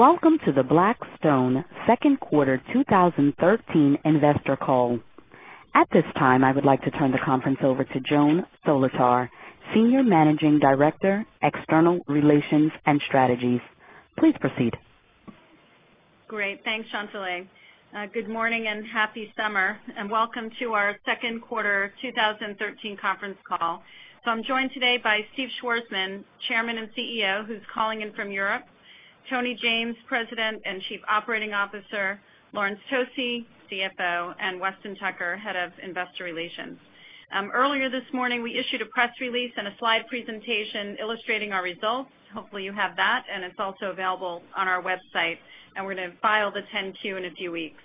Welcome to the Blackstone second quarter 2013 investor call. At this time, I would like to turn the conference over to Joan Solotar, Senior Managing Director, External Relations and Strategy. Please proceed. Great. Thanks, Chantelle. Good morning and happy summer, and welcome to our second quarter 2013 conference call. I'm joined today by Steve Schwarzman, Chairman and CEO, who's calling in from Europe, Tony James, President and Chief Operating Officer, Laurence Tosi, CFO, and Weston Tucker, Head of Investor Relations. Earlier this morning, I issued a press release and a slide presentation illustrating our results. Hopefully, you have that, and it's also available on our website, and we're going to file the 10-Q in a few weeks.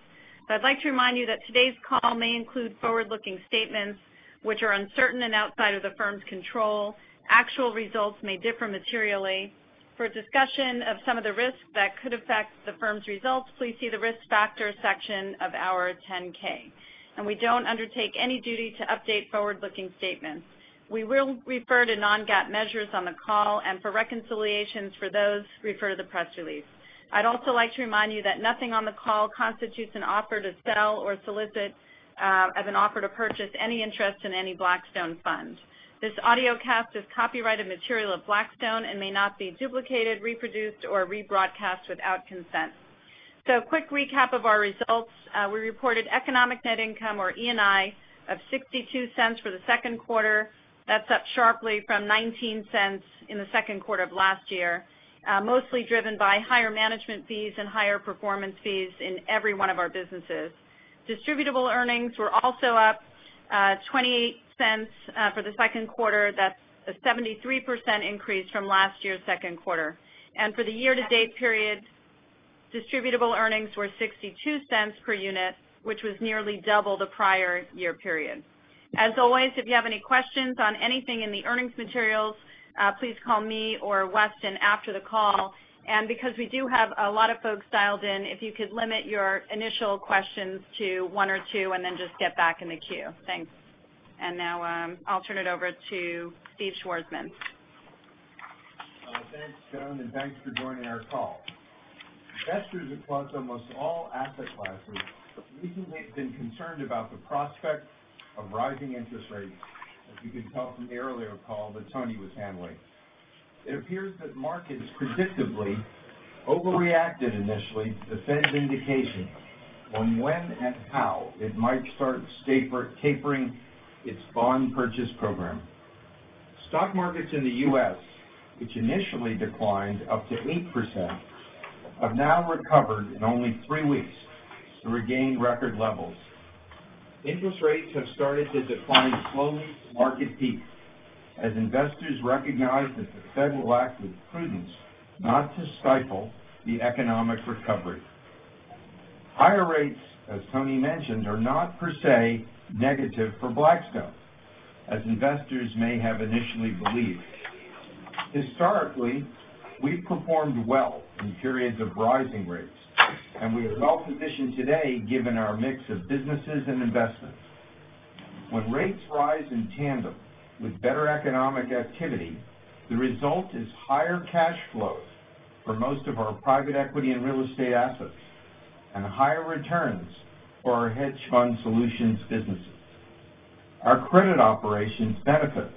I'd like to remind you that today's call may include forward-looking statements which are uncertain and outside of the firm's control. Actual results may differ materially. For a discussion of some of the risks that could affect the firm's results, please see the Risk Factors section of our 10-K. We don't undertake any duty to update forward-looking statements. We will refer to non-GAAP measures on the call, and for reconciliations for those, refer to the press release. I'd also like to remind you that nothing on the call constitutes an offer to sell or solicit as an offer to purchase any interest in any Blackstone fund. This audiocast is copyrighted material of Blackstone and may not be duplicated, reproduced, or rebroadcast without consent. A quick recap of our results. We reported economic net income, or ENI, of $0.62 for the second quarter. That's up sharply from $0.19 in the second quarter of last year, mostly driven by higher management fees and higher performance fees in every one of our businesses. Distributable earnings were also up $0.28 for the second quarter. That's a 73% increase from last year's second quarter. For the year-to-date period, distributable earnings were $0.62 per unit, which was nearly double the prior year period. As always, if you have any questions on anything in the earnings materials, please call me or Weston after the call. Because we do have a lot of folks dialed in, if you could limit your initial questions to one or two and then just get back in the queue. Thanks. Now, I'll turn it over to Steve Schwarzman. Thanks, Joan, and thanks for joining our call. Investors across almost all asset classes recently have been concerned about the prospect of rising interest rates, as you can tell from the earlier call that Tony was handling. It appears that markets predictably overreacted initially to the Fed's indication on when and how it might start tapering its bond purchase program. Stock markets in the U.S., which initially declined up to 8%, have now recovered in only three weeks to regain record levels. Interest rates have started to decline slowly from market peaks as investors recognize that the Fed will act with prudence not to stifle the economic recovery. Higher rates, as Tony mentioned, are not per se negative for Blackstone, as investors may have initially believed. Historically, we've performed well in periods of rising rates, and we are well positioned today given our mix of businesses and investments. When rates rise in tandem with better economic activity, the result is higher cash flows for most of our private equity and real estate assets and higher returns for our hedge fund solutions businesses. Our credit operations benefit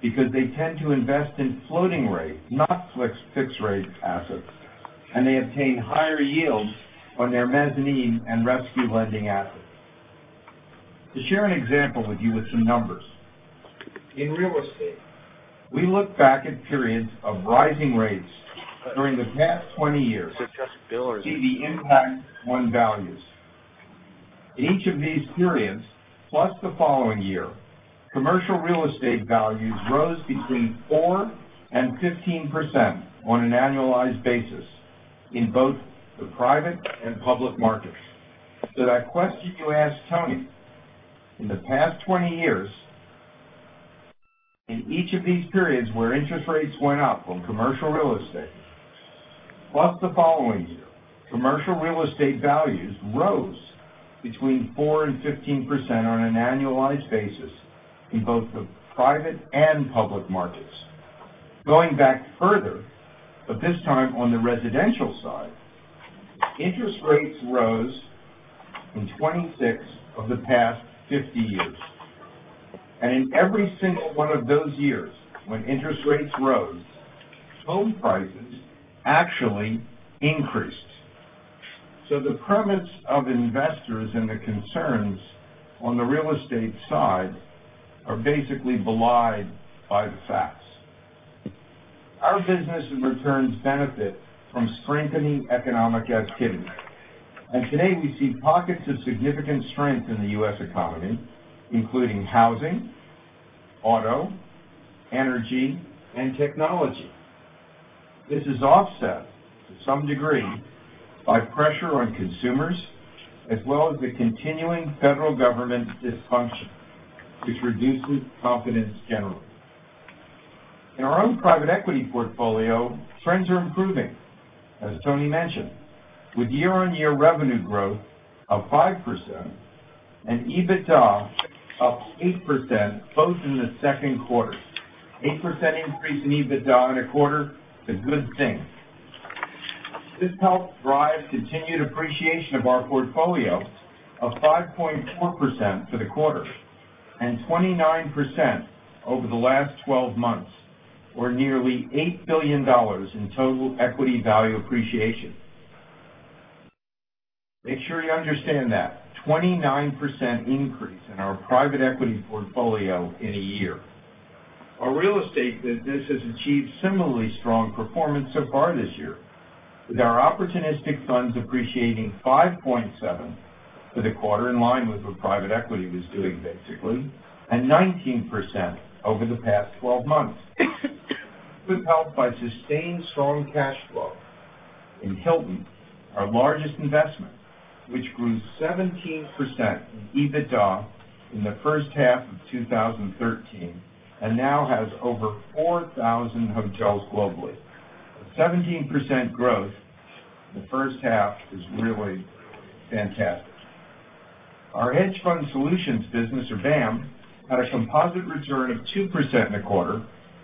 because they tend to invest in floating rate, not fixed rate assets, and they obtain higher yields on their mezzanine and rescue lending assets. To share an example with you with some numbers, in real estate, we look back at periods of rising rates during the past 20 years to see the impact on values. In each of these periods, plus the following year, commercial real estate values rose between 4% and 15% on an annualized basis in both the private and public markets. That question you asked Tony, in the past 20 years, in each of these periods where interest rates went up on commercial real estate, plus the following year, commercial real estate values rose between 4% and 15% on an annualized basis in both the private and public markets. Going back further, but this time on the residential side, interest rates rose in 26 of the past 50 years. In every single one of those years, when interest rates rose, home prices actually increased. The permanence of investors and the concerns on the real estate side are basically belied by the facts. Our business and returns benefit from strengthening economic activity, and today we see pockets of significant strength in the U.S. economy, including housing, auto, energy, and technology. This is offset to some degree by pressure on consumers, as well as the continuing federal government dysfunction, which reduces confidence generally. In our own private equity portfolio, trends are improving, as Tony mentioned. With year-on-year revenue growth of 5% and EBITDA up 8%, both in the second quarter. 8% increase in EBITDA in a quarter is a good thing. This helped drive continued appreciation of our portfolio of 5.4% for the quarter, and 29% over the last 12 months, or nearly $8 billion in total equity value appreciation. Make sure you understand that. 29% increase in our private equity portfolio in a year. Our real estate business has achieved similarly strong performance so far this year, with our opportunistic funds appreciating 5.7% for the quarter, in line with what private equity was doing basically, and 19% over the past 12 months. This was helped by sustained strong cash flow in Hilton, our largest investment, which grew 17% in EBITDA in the first half of 2013 and now has over 4,000 hotels globally. 17% growth in the first half is really fantastic. Our hedge fund solutions business, or BAAM, had a composite return of 2% in the quarter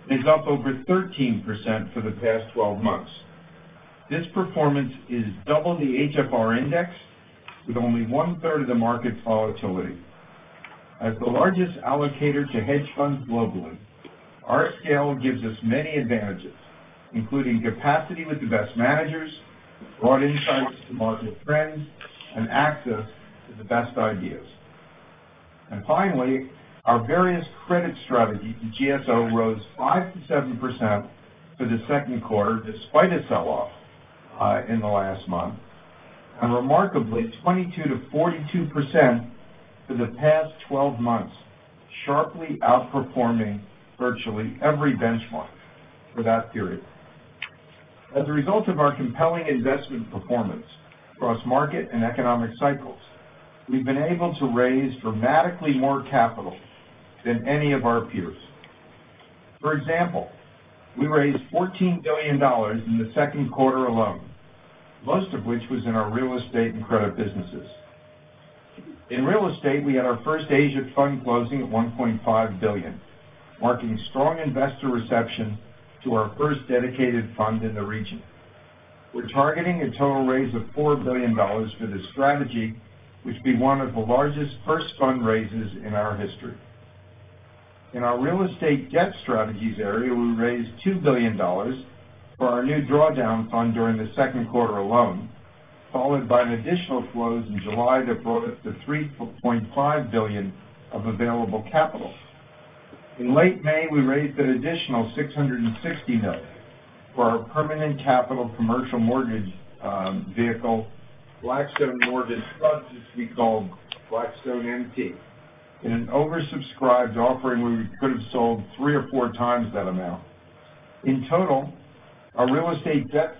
and is up over 13% for the past 12 months. This performance is double the HFR index with only one-third of the market's volatility. As the largest allocator to hedge funds globally, our scale gives us many advantages, including capacity with the best managers, broad insights to market trends, and access to the best ideas. Finally, our various credit strategies at GSO rose 5%-7% for the second quarter, despite a sell-off in the last month, and remarkably, 22%-42% for the past 12 months, sharply outperforming virtually every benchmark for that period. As a result of our compelling investment performance across market and economic cycles, we've been able to raise dramatically more capital than any of our peers. For example, we raised $14 billion in the second quarter alone, most of which was in our real estate and credit businesses. In real estate, we had our first Asia fund closing at $1.5 billion, marking strong investor reception to our first dedicated fund in the region. We're targeting a total raise of $4 billion for this strategy, which will be one of the largest first fundraises in our history. In our real estate debt strategies area, we raised $2 billion for our new drawdown fund during the second quarter alone, followed by an additional close in July that brought us to $3.5 billion of available capital. In late May, we raised an additional $660 million for our permanent capital commercial mortgage vehicle, Blackstone Mortgage Trust, which we call Blackstone MT, in an oversubscribed offering where we could have sold three or four times that amount. In total, our real estate debt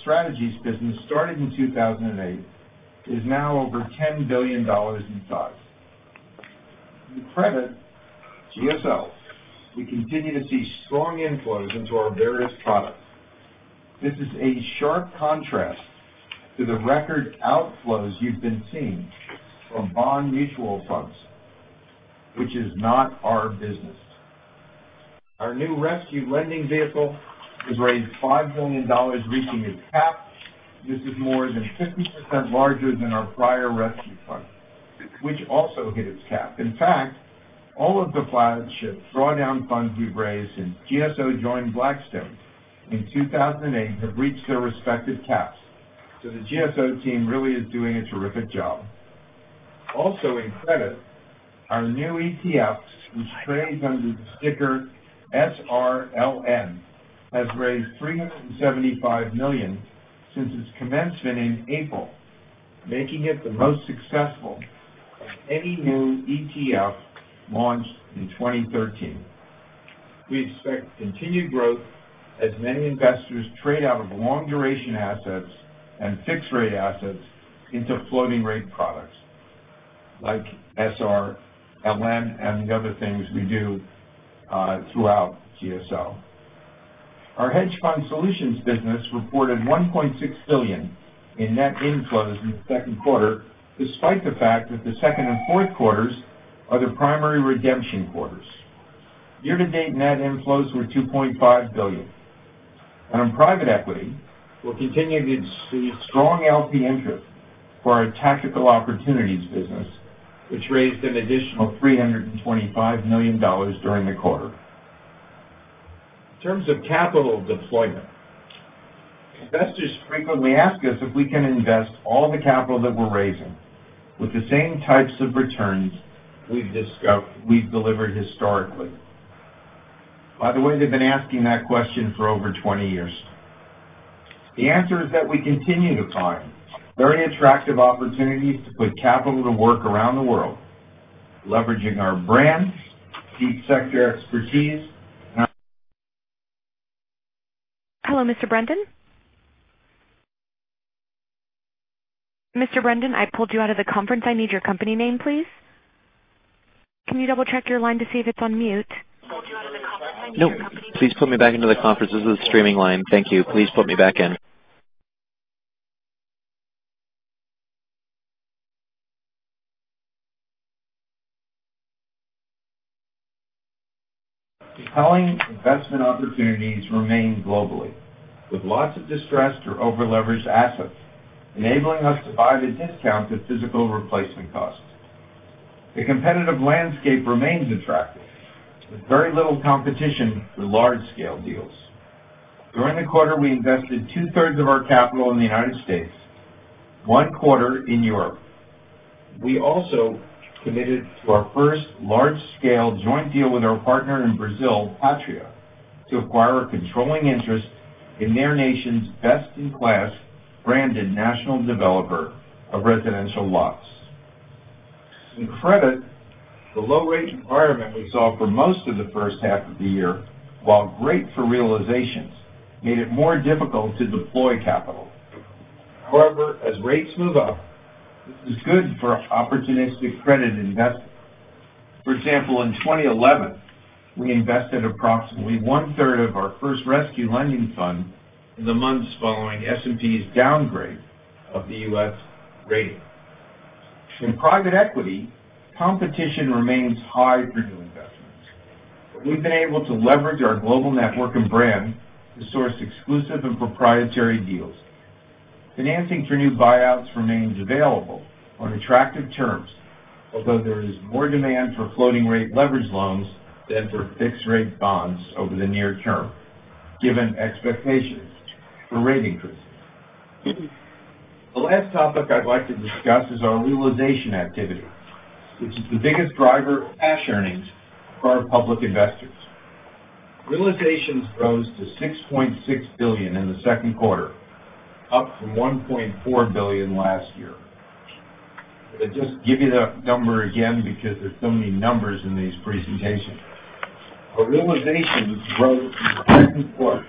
strategies business, started in 2008, is now over $10 billion in size. In credit, GSO, we continue to see strong inflows into our various products. This is a sharp contrast to the record outflows you've been seeing from bond mutual funds, which is not our business. Our new rescue lending vehicle has raised $5 billion, reaching its cap. This is more than 50% larger than our prior rescue fund, which also hit its cap. In fact, all of the flagship drawdown funds we've raised since GSO joined Blackstone in 2008 have reached their respective caps. The GSO team really is doing a terrific job. Also in credit, our new ETF, which trades under the ticker SRLN, has raised $375 million since its commencement in April, making it the most successful of any new ETF launched in 2013. We expect continued growth as many investors trade out of long-duration assets and fixed-rate assets into floating rate products like SRLN and the other things we do throughout GSO. Our hedge fund solutions business reported $1.6 billion in net inflows in the second quarter, despite the fact that the second and fourth quarters are the primary redemption quarters. Year-to-date net inflows were $2.5 billion. In private equity, we're continuing to see strong LP interest for our Blackstone Tactical Opportunities business, which raised an additional $325 million during the quarter. In terms of capital deployment, investors frequently ask us if we can invest all the capital that we're raising with the same types of returns we've delivered historically. By the way, they've been asking that question for over 20 years. The answer is that we continue to find very attractive opportunities to put capital to work around the world, leveraging our brands, deep sector expertise, and our. Hello, Brendan. Brendan, I pulled you out of the conference. I need your company name, please. Can you double-check your line to see if it's on mute? No. Please put me back into the conference. This is a streaming line. Thank you. Please put me back in. Compelling investment opportunities remain globally, with lots of distressed or over-leveraged assets, enabling us to buy the discount to physical replacement costs. The competitive landscape remains attractive, with very little competition for large-scale deals. During the quarter, we invested two-thirds of our capital in the U.S., one quarter in Europe. We also committed to our first large-scale joint deal with our partner in Brazil, Pátria, to acquire a controlling interest in their nation's best-in-class branded national developer of residential lots. In credit, the low rate environment we saw for most of the first half of the year, while great for realizations, made it more difficult to deploy capital. As rates move up, this is good for opportunistic credit investing. For example, in 2011, we invested approximately one-third of our first rescue lending fund in the months following S&P's downgrade of the U.S. rating. In private equity, competition remains high for new investments. We've been able to leverage our global network and brand to source exclusive and proprietary deals. Financing for new buyouts remains available on attractive terms, although there is more demand for floating rate leverage loans than for fixed rate bonds over the near term, given expectations for rate increases. The last topic I'd like to discuss is our realization activity, which is the biggest driver of cash earnings for our public investors. Realizations rose to $6.6 billion in the second quarter, up from $1.4 billion last year. I'll just give you that number again because there's so many numbers in these presentations. Our realizations rose in the second quarter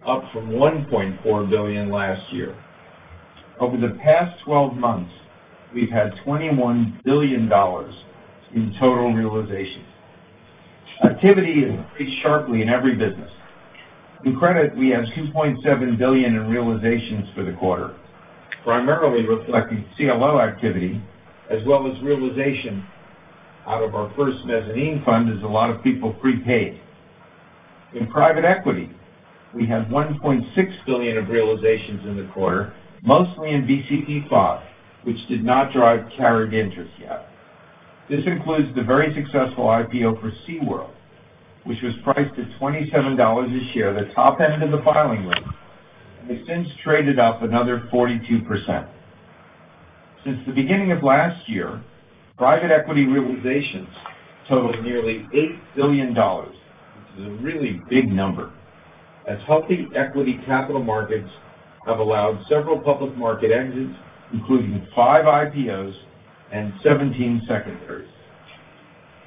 to $6.6 billion, up from $1.4 billion last year. Over the past 12 months, we've had $21 billion in total realizations. Activity increased sharply in every business. In credit, we had $2.7 billion in realizations for the quarter, primarily reflecting CLO activity, as well as realization out of our first mezzanine fund, as a lot of people prepaid. In private equity, we had $1.6 billion of realizations in the quarter, mostly in BCP V, which did not drive carried interest yet. This includes the very successful IPO for SeaWorld, which was priced at $27 a share, the top end of the filing range, and has since traded up another 42%. Since the beginning of last year, private equity realizations totaled nearly $8 billion, which is a really big number, as healthy equity capital markets have allowed several public market exits, including five IPOs and 17 secondaries.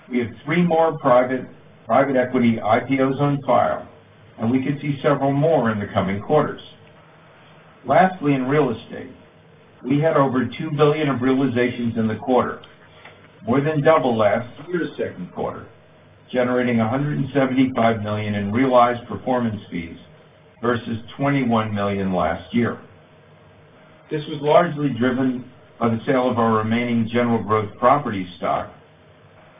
We have three more private equity IPOs on file, we could see several more in the coming quarters. Lastly, in real estate, we had over $2 billion of realizations in the quarter, more than double last year's second quarter, generating $175 million in realized performance fees versus $21 million last year. This was largely driven by the sale of our remaining General Growth Properties stock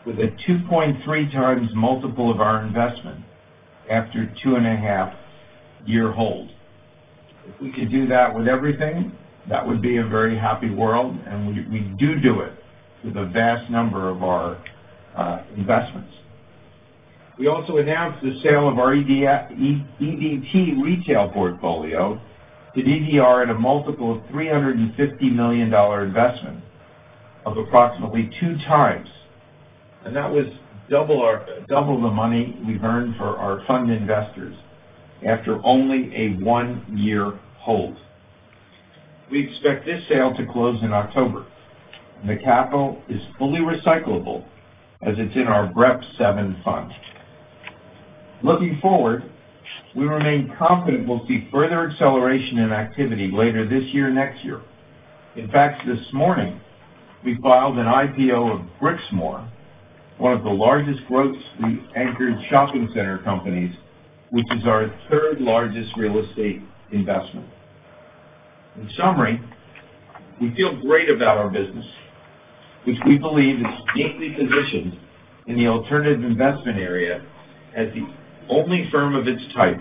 with a 2.3 times multiple of our investment after a two-and-a-half year hold. If we could do that with everything, that would be a very happy world, and we do do it with a vast number of our investments. We also announced the sale of our EDT Retail Trust portfolio to DDR at a multiple of $350 million investment of approximately two times. That was double the money we've earned for our fund investors after only a one-year hold. We expect this sale to close in October, and the capital is fully recyclable as it's in our BREP VII fund. Looking forward, we remain confident we'll see further acceleration in activity later this year, next year. In fact, this morning, we filed an IPO of Brixmor, one of the largest grocery anchored shopping center companies, which is our third largest real estate investment. In summary, we feel great about our business, which we believe is uniquely positioned in the alternative investment area as the only firm of its type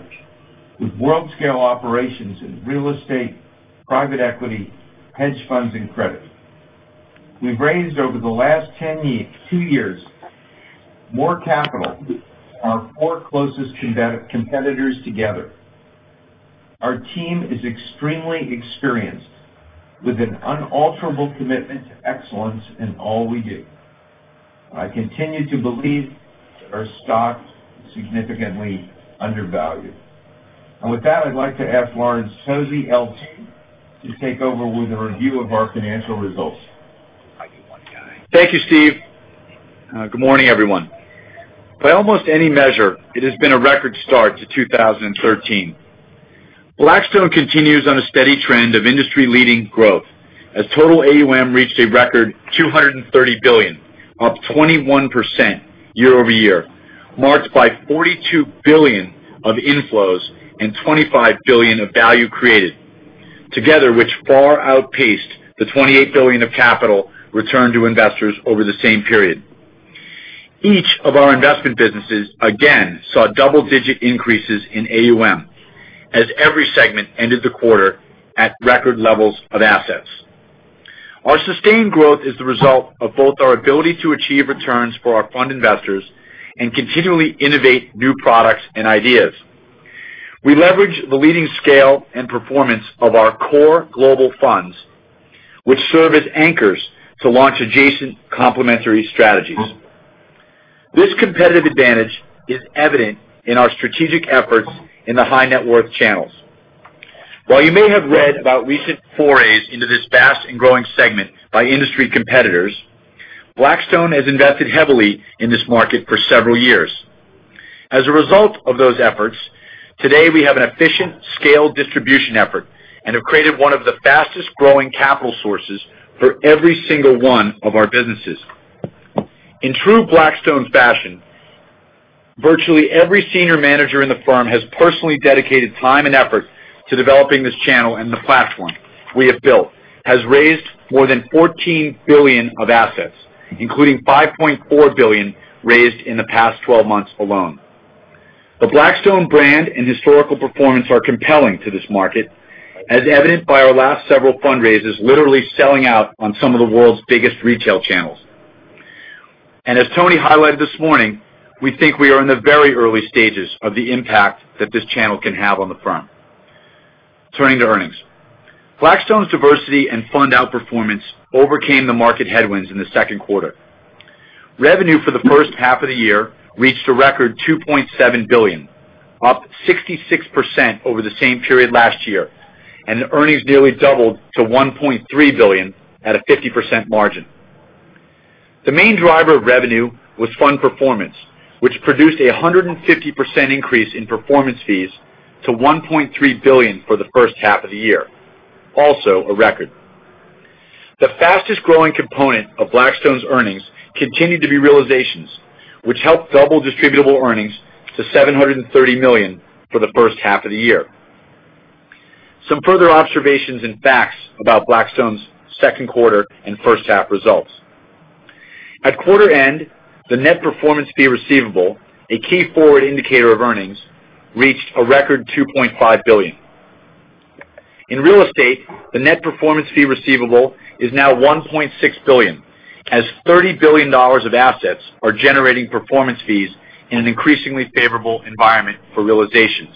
with world-scale operations in real estate, private equity, hedge funds, and credit. We've raised over the last two years more capital than our four closest competitors together. Our team is extremely experienced with an unalterable commitment to excellence in all we do. I continue to believe that our stock is significantly undervalued. With that, I'd like to ask Laurence Tosi, LT, to take over with a review of our financial results. Thank you, Steve. Good morning, everyone. By almost any measure, it has been a record start to 2013. Blackstone continues on a steady trend of industry-leading growth as total AUM reached a record $230 billion, up 21% year-over-year, marked by $42 billion of inflows and $25 billion of value created, together which far outpaced the $28 billion of capital returned to investors over the same period. Each of our investment businesses again saw double-digit increases in AUM, as every segment ended the quarter at record levels of assets. Our sustained growth is the result of both our ability to achieve returns for our fund investors and continually innovate new products and ideas. We leverage the leading scale and performance of our core global funds, which serve as anchors to launch adjacent complementary strategies. This competitive advantage is evident in our strategic efforts in the high-net-worth channels. While you may have read about recent forays into this vast and growing segment by industry competitors, Blackstone has invested heavily in this market for several years. As a result of those efforts, today we have an efficient scale distribution effort and have created one of the fastest-growing capital sources for every single one of our businesses. In true Blackstone fashion, virtually every senior manager in the firm has personally dedicated time and effort to developing this channel, and the platform we have built has raised more than $14 billion of assets, including $5.4 billion raised in the past 12 months alone. The Blackstone brand and historical performance are compelling to this market, as evidenced by our last several fundraisers literally selling out on some of the world's biggest retail channels. As Tony highlighted this morning, we think we are in the very early stages of the impact that this channel can have on the firm. Turning to earnings. Blackstone's diversity and fund outperformance overcame the market headwinds in the second quarter. Revenue for the first half of the year reached a record $2.7 billion, up 66% over the same period last year, and earnings nearly doubled to $1.3 billion at a 50% margin. The main driver of revenue was fund performance, which produced a 150% increase in performance fees to $1.3 billion for the first half of the year, also a record. The fastest-growing component of Blackstone's earnings continued to be realizations, which helped double distributable earnings to $730 million for the first half of the year. Some further observations and facts about Blackstone's second quarter and first-half results. At quarter end, the net performance fee receivable, a key forward indicator of earnings, reached a record $2.5 billion. In real estate, the net performance fee receivable is now $1.6 billion, as $30 billion of assets are generating performance fees in an increasingly favorable environment for realizations.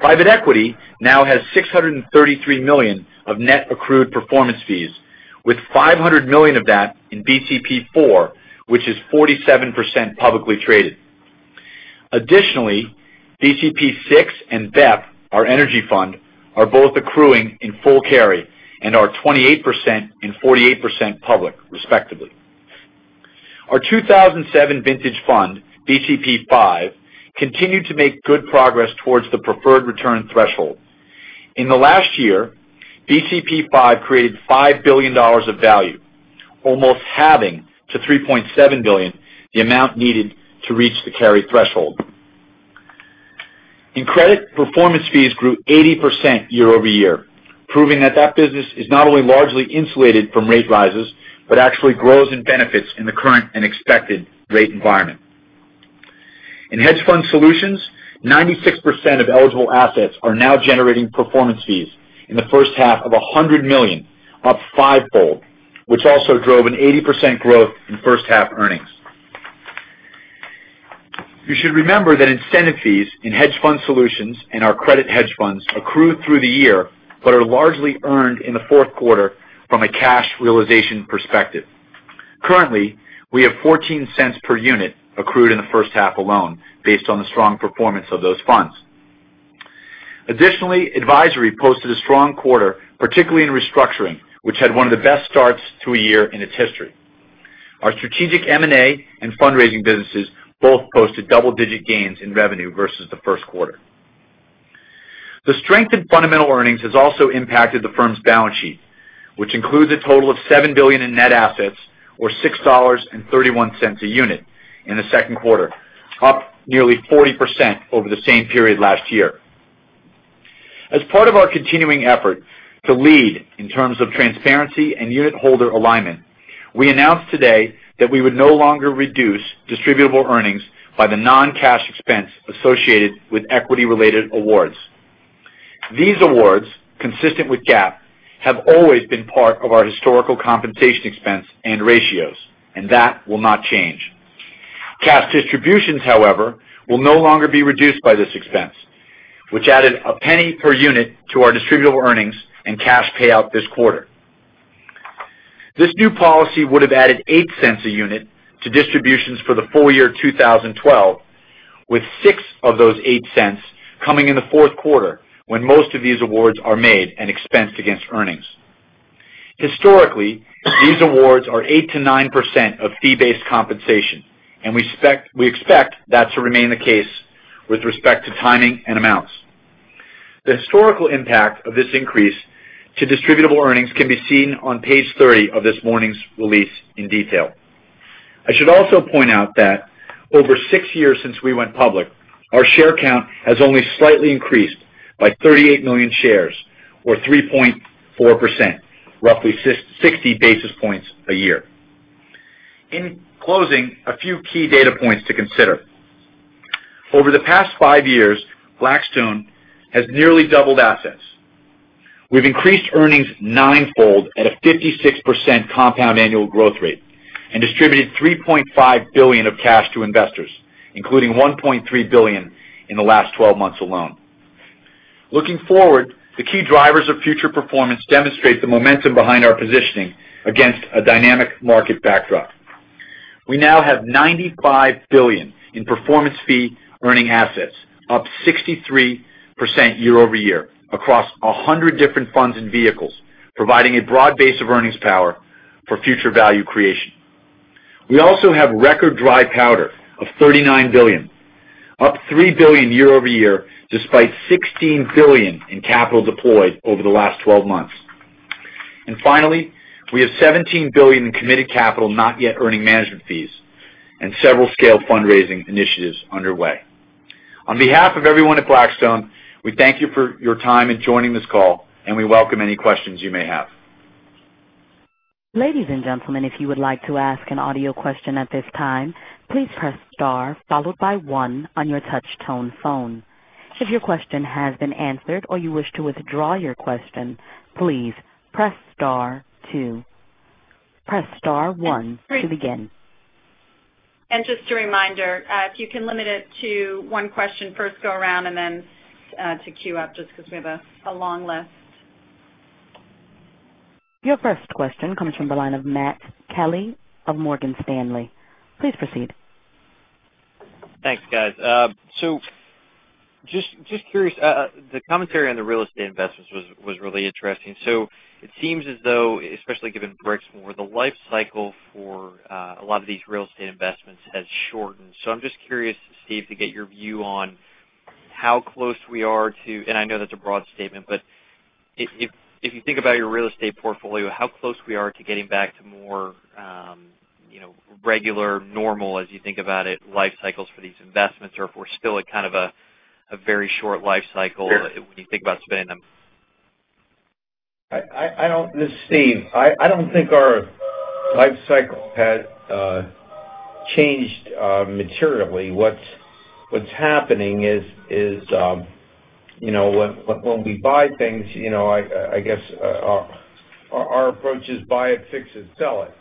Private equity now has $633 million of net accrued performance fees, with $500 million of that in BCP IV, which is 47% publicly traded. Additionally, BCP VI and BEP, our energy fund, are both accruing in full carry and are 28% and 48% public, respectively. Our 2007 vintage fund, BCP V, continued to make good progress towards the preferred return threshold. In the last year, BCP V created $5 billion of value, almost halving to $3.7 billion, the amount needed to reach the carry threshold. In credit, performance fees grew 80% year-over-year, proving that that business is not only largely insulated from rate rises, but actually grows and benefits in the current and expected rate environment. In hedge fund solutions, 96% of eligible assets are now generating performance fees in the first half of $100 million, up fivefold, which also drove an 80% growth in first-half earnings. You should remember that incentive fees in hedge fund solutions and our credit hedge funds accrue through the year but are largely earned in the fourth quarter from a cash realization perspective. Currently, we have $0.14 per unit accrued in the first half alone, based on the strong performance of those funds. Additionally, advisory posted a strong quarter, particularly in restructuring, which had one of the best starts to a year in its history. Our strategic M&A and fundraising businesses both posted double-digit gains in revenue versus the first quarter. The strength in fundamental earnings has also impacted the firm's balance sheet, which includes a total of $7 billion in net assets or $6.31 a unit in the second quarter, up nearly 40% over the same period last year. As part of our continuing effort to lead in terms of transparency and unitholder alignment, we announced today that we would no longer reduce distributable earnings by the non-cash expense associated with equity-related awards. These awards, consistent with GAAP, have always been part of our historical compensation expense and ratios, and that will not change. Cash distributions, however, will no longer be reduced by this expense, which added $0.01 per unit to our distributable earnings and cash payout this quarter. This new policy would have added $0.08 a unit to distributions for the full year 2012 With six of those $0.08 coming in the fourth quarter, when most of these awards are made and expensed against earnings. Historically, these awards are 8%-9% of fee-based compensation, and we expect that to remain the case with respect to timing and amounts. The historical impact of this increase to distributable earnings can be seen on page 30 of this morning's release in detail. I should also point out that over six years since we went public, our share count has only slightly increased by 38 million shares or 3.4%, roughly 60 basis points a year. In closing, a few key data points to consider. Over the past five years, Blackstone has nearly doubled assets. We've increased earnings ninefold at a 56% compound annual growth rate and distributed $3.5 billion of cash to investors, including $1.3 billion in the last 12 months alone. Looking forward, the key drivers of future performance demonstrate the momentum behind our positioning against a dynamic market backdrop. We now have $95 billion in performance fee earning assets, up 63% year-over-year across 100 different funds and vehicles, providing a broad base of earnings power for future value creation. We also have record dry powder of $39 billion, up $3 billion year-over-year, despite $16 billion in capital deployed over the last 12 months. Finally, we have $17 billion in committed capital, not yet earning management fees and several scaled fundraising initiatives underway. On behalf of everyone at Blackstone, we thank you for your time in joining this call, and we welcome any questions you may have. Ladies and gentlemen, if you would like to ask an audio question at this time, please press star followed by one on your touch tone phone. If your question has been answered or you wish to withdraw your question, please press star two. Press star one to begin. Just a reminder, if you can limit it to one question first go around and then to queue up just because we have a long list. Your first question comes from the line of Matthew Kelly of Morgan Stanley. Please proceed. Thanks, guys. Just curious, the commentary on the real estate investments was really interesting. It seems as though, especially given Brixmor, the life cycle for a lot of these real estate investments has shortened. I'm just curious, Steve, to get your view on how close we are to I know that's a broad statement, but if you think about your real estate portfolio, how close we are to getting back to more regular, normal, as you think about it, life cycles for these investments, or if we're still at kind of a very short life cycle when you think about spending them. This is Steve. I don't think our life cycle has changed materially. What's happening is when we buy things, I guess our approach is buy it, fix it, sell it.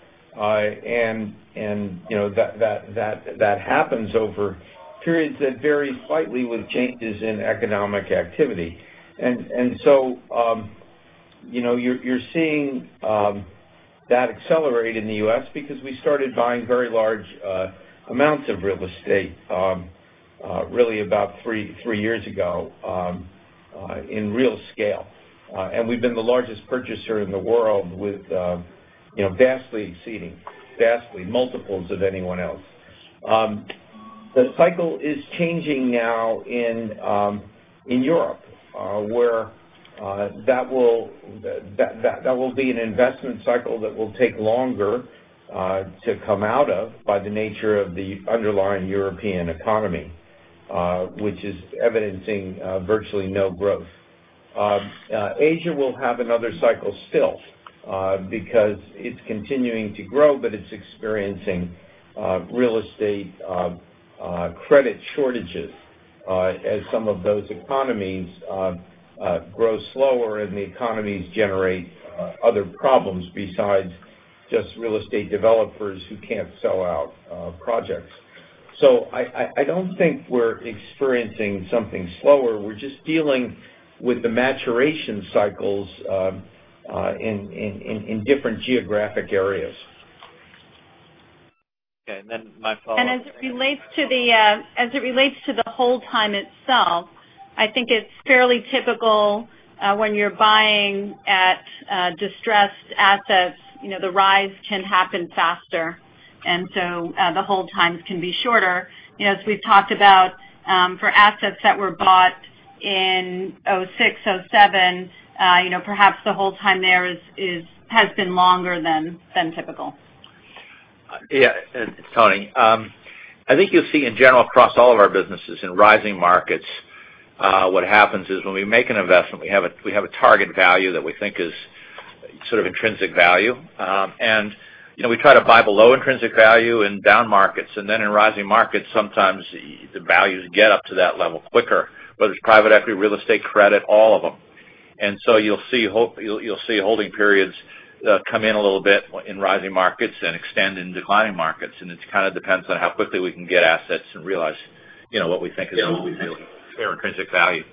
That happens over periods that vary slightly with changes in economic activity. You're seeing that accelerate in the U.S. because we started buying very large amounts of real estate really about three years ago in real scale. We've been the largest purchaser in the world with vastly exceeding, vastly multiples of anyone else. The cycle is changing now in Europe, where that will be an investment cycle that will take longer to come out of by the nature of the underlying European economy, which is evidencing virtually no growth. Asia will have another cycle still because it's continuing to grow, but it's experiencing real estate credit shortages as some of those economies grow slower and the economies generate other problems besides just real estate developers who can't sell out projects. I don't think we're experiencing something slower. We're just dealing with the maturation cycles in different geographic areas. Okay. My follow-up. As it relates to the hold time itself, I think it's fairly typical when you're buying at distressed assets, the rise can happen faster, so the hold times can be shorter. As we've talked about for assets that were bought in '06, '07, perhaps the hold time there has been longer than typical. Yeah. It's Tony. I think you'll see in general across all of our businesses in rising markets, what happens is when we make an investment, we have a target value that we think is sort of intrinsic value. We try to buy below intrinsic value in down markets. In rising markets, sometimes the values get up to that level quicker, whether it's private equity, real estate, credit, all of them. You'll see holding periods come in a little bit in rising markets and extend in declining markets. It kind of depends on how quickly we can get assets and realize what we think is going to be fair intrinsic value.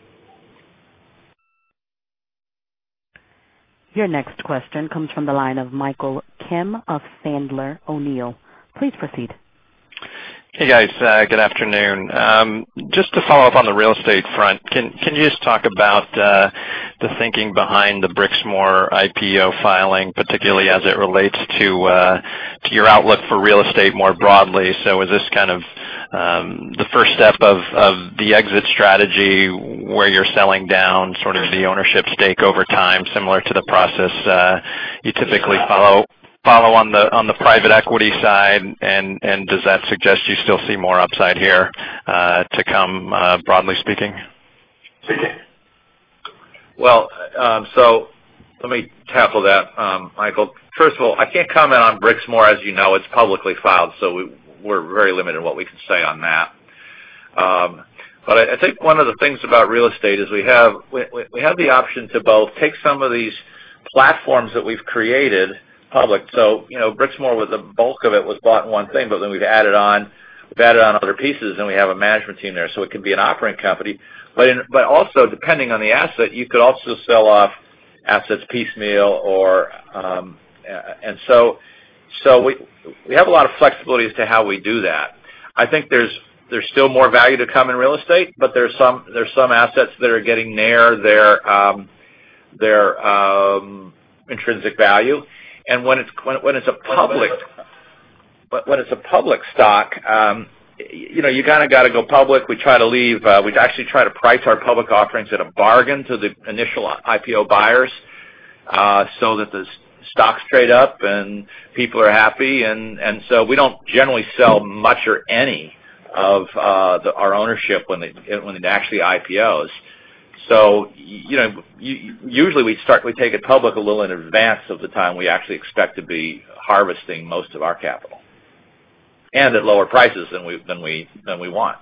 Your next question comes from the line of Michael Kim of Sandler O'Neill. Please proceed. Hey, guys. Good afternoon. Just to follow up on the real estate front, can you just talk about the thinking behind the Brixmor IPO filing, particularly as it relates to your outlook for real estate more broadly? Is this kind of the first step of the exit strategy where you're selling down sort of the ownership stake over time, similar to the process you typically follow on the private equity side? Does that suggest you still see more upside here to come, broadly speaking? Well, let me tackle that, Michael. First of all, I can't comment on Brixmor. As you know, it's publicly filed, we're very limited in what we can say on that. I think one of the things about real estate is we have the option to both take some of these platforms that we've created public. Brixmor, the bulk of it was bought in one thing, then we've added on other pieces, and we have a management team there. It can be an operating company. Also, depending on the asset, you could also sell off assets piecemeal. We have a lot of flexibility as to how we do that. I think there's still more value to come in real estate, there's some assets that are getting near their intrinsic value. When it's a public stock, you kind of got to go public. We actually try to price our public offerings at a bargain to the initial IPO buyers so that the stocks trade up, and people are happy. We don't generally sell much or any of our ownership when it actually IPOs. Usually we take it public a little in advance of the time we actually expect to be harvesting most of our capital, and at lower prices than we want.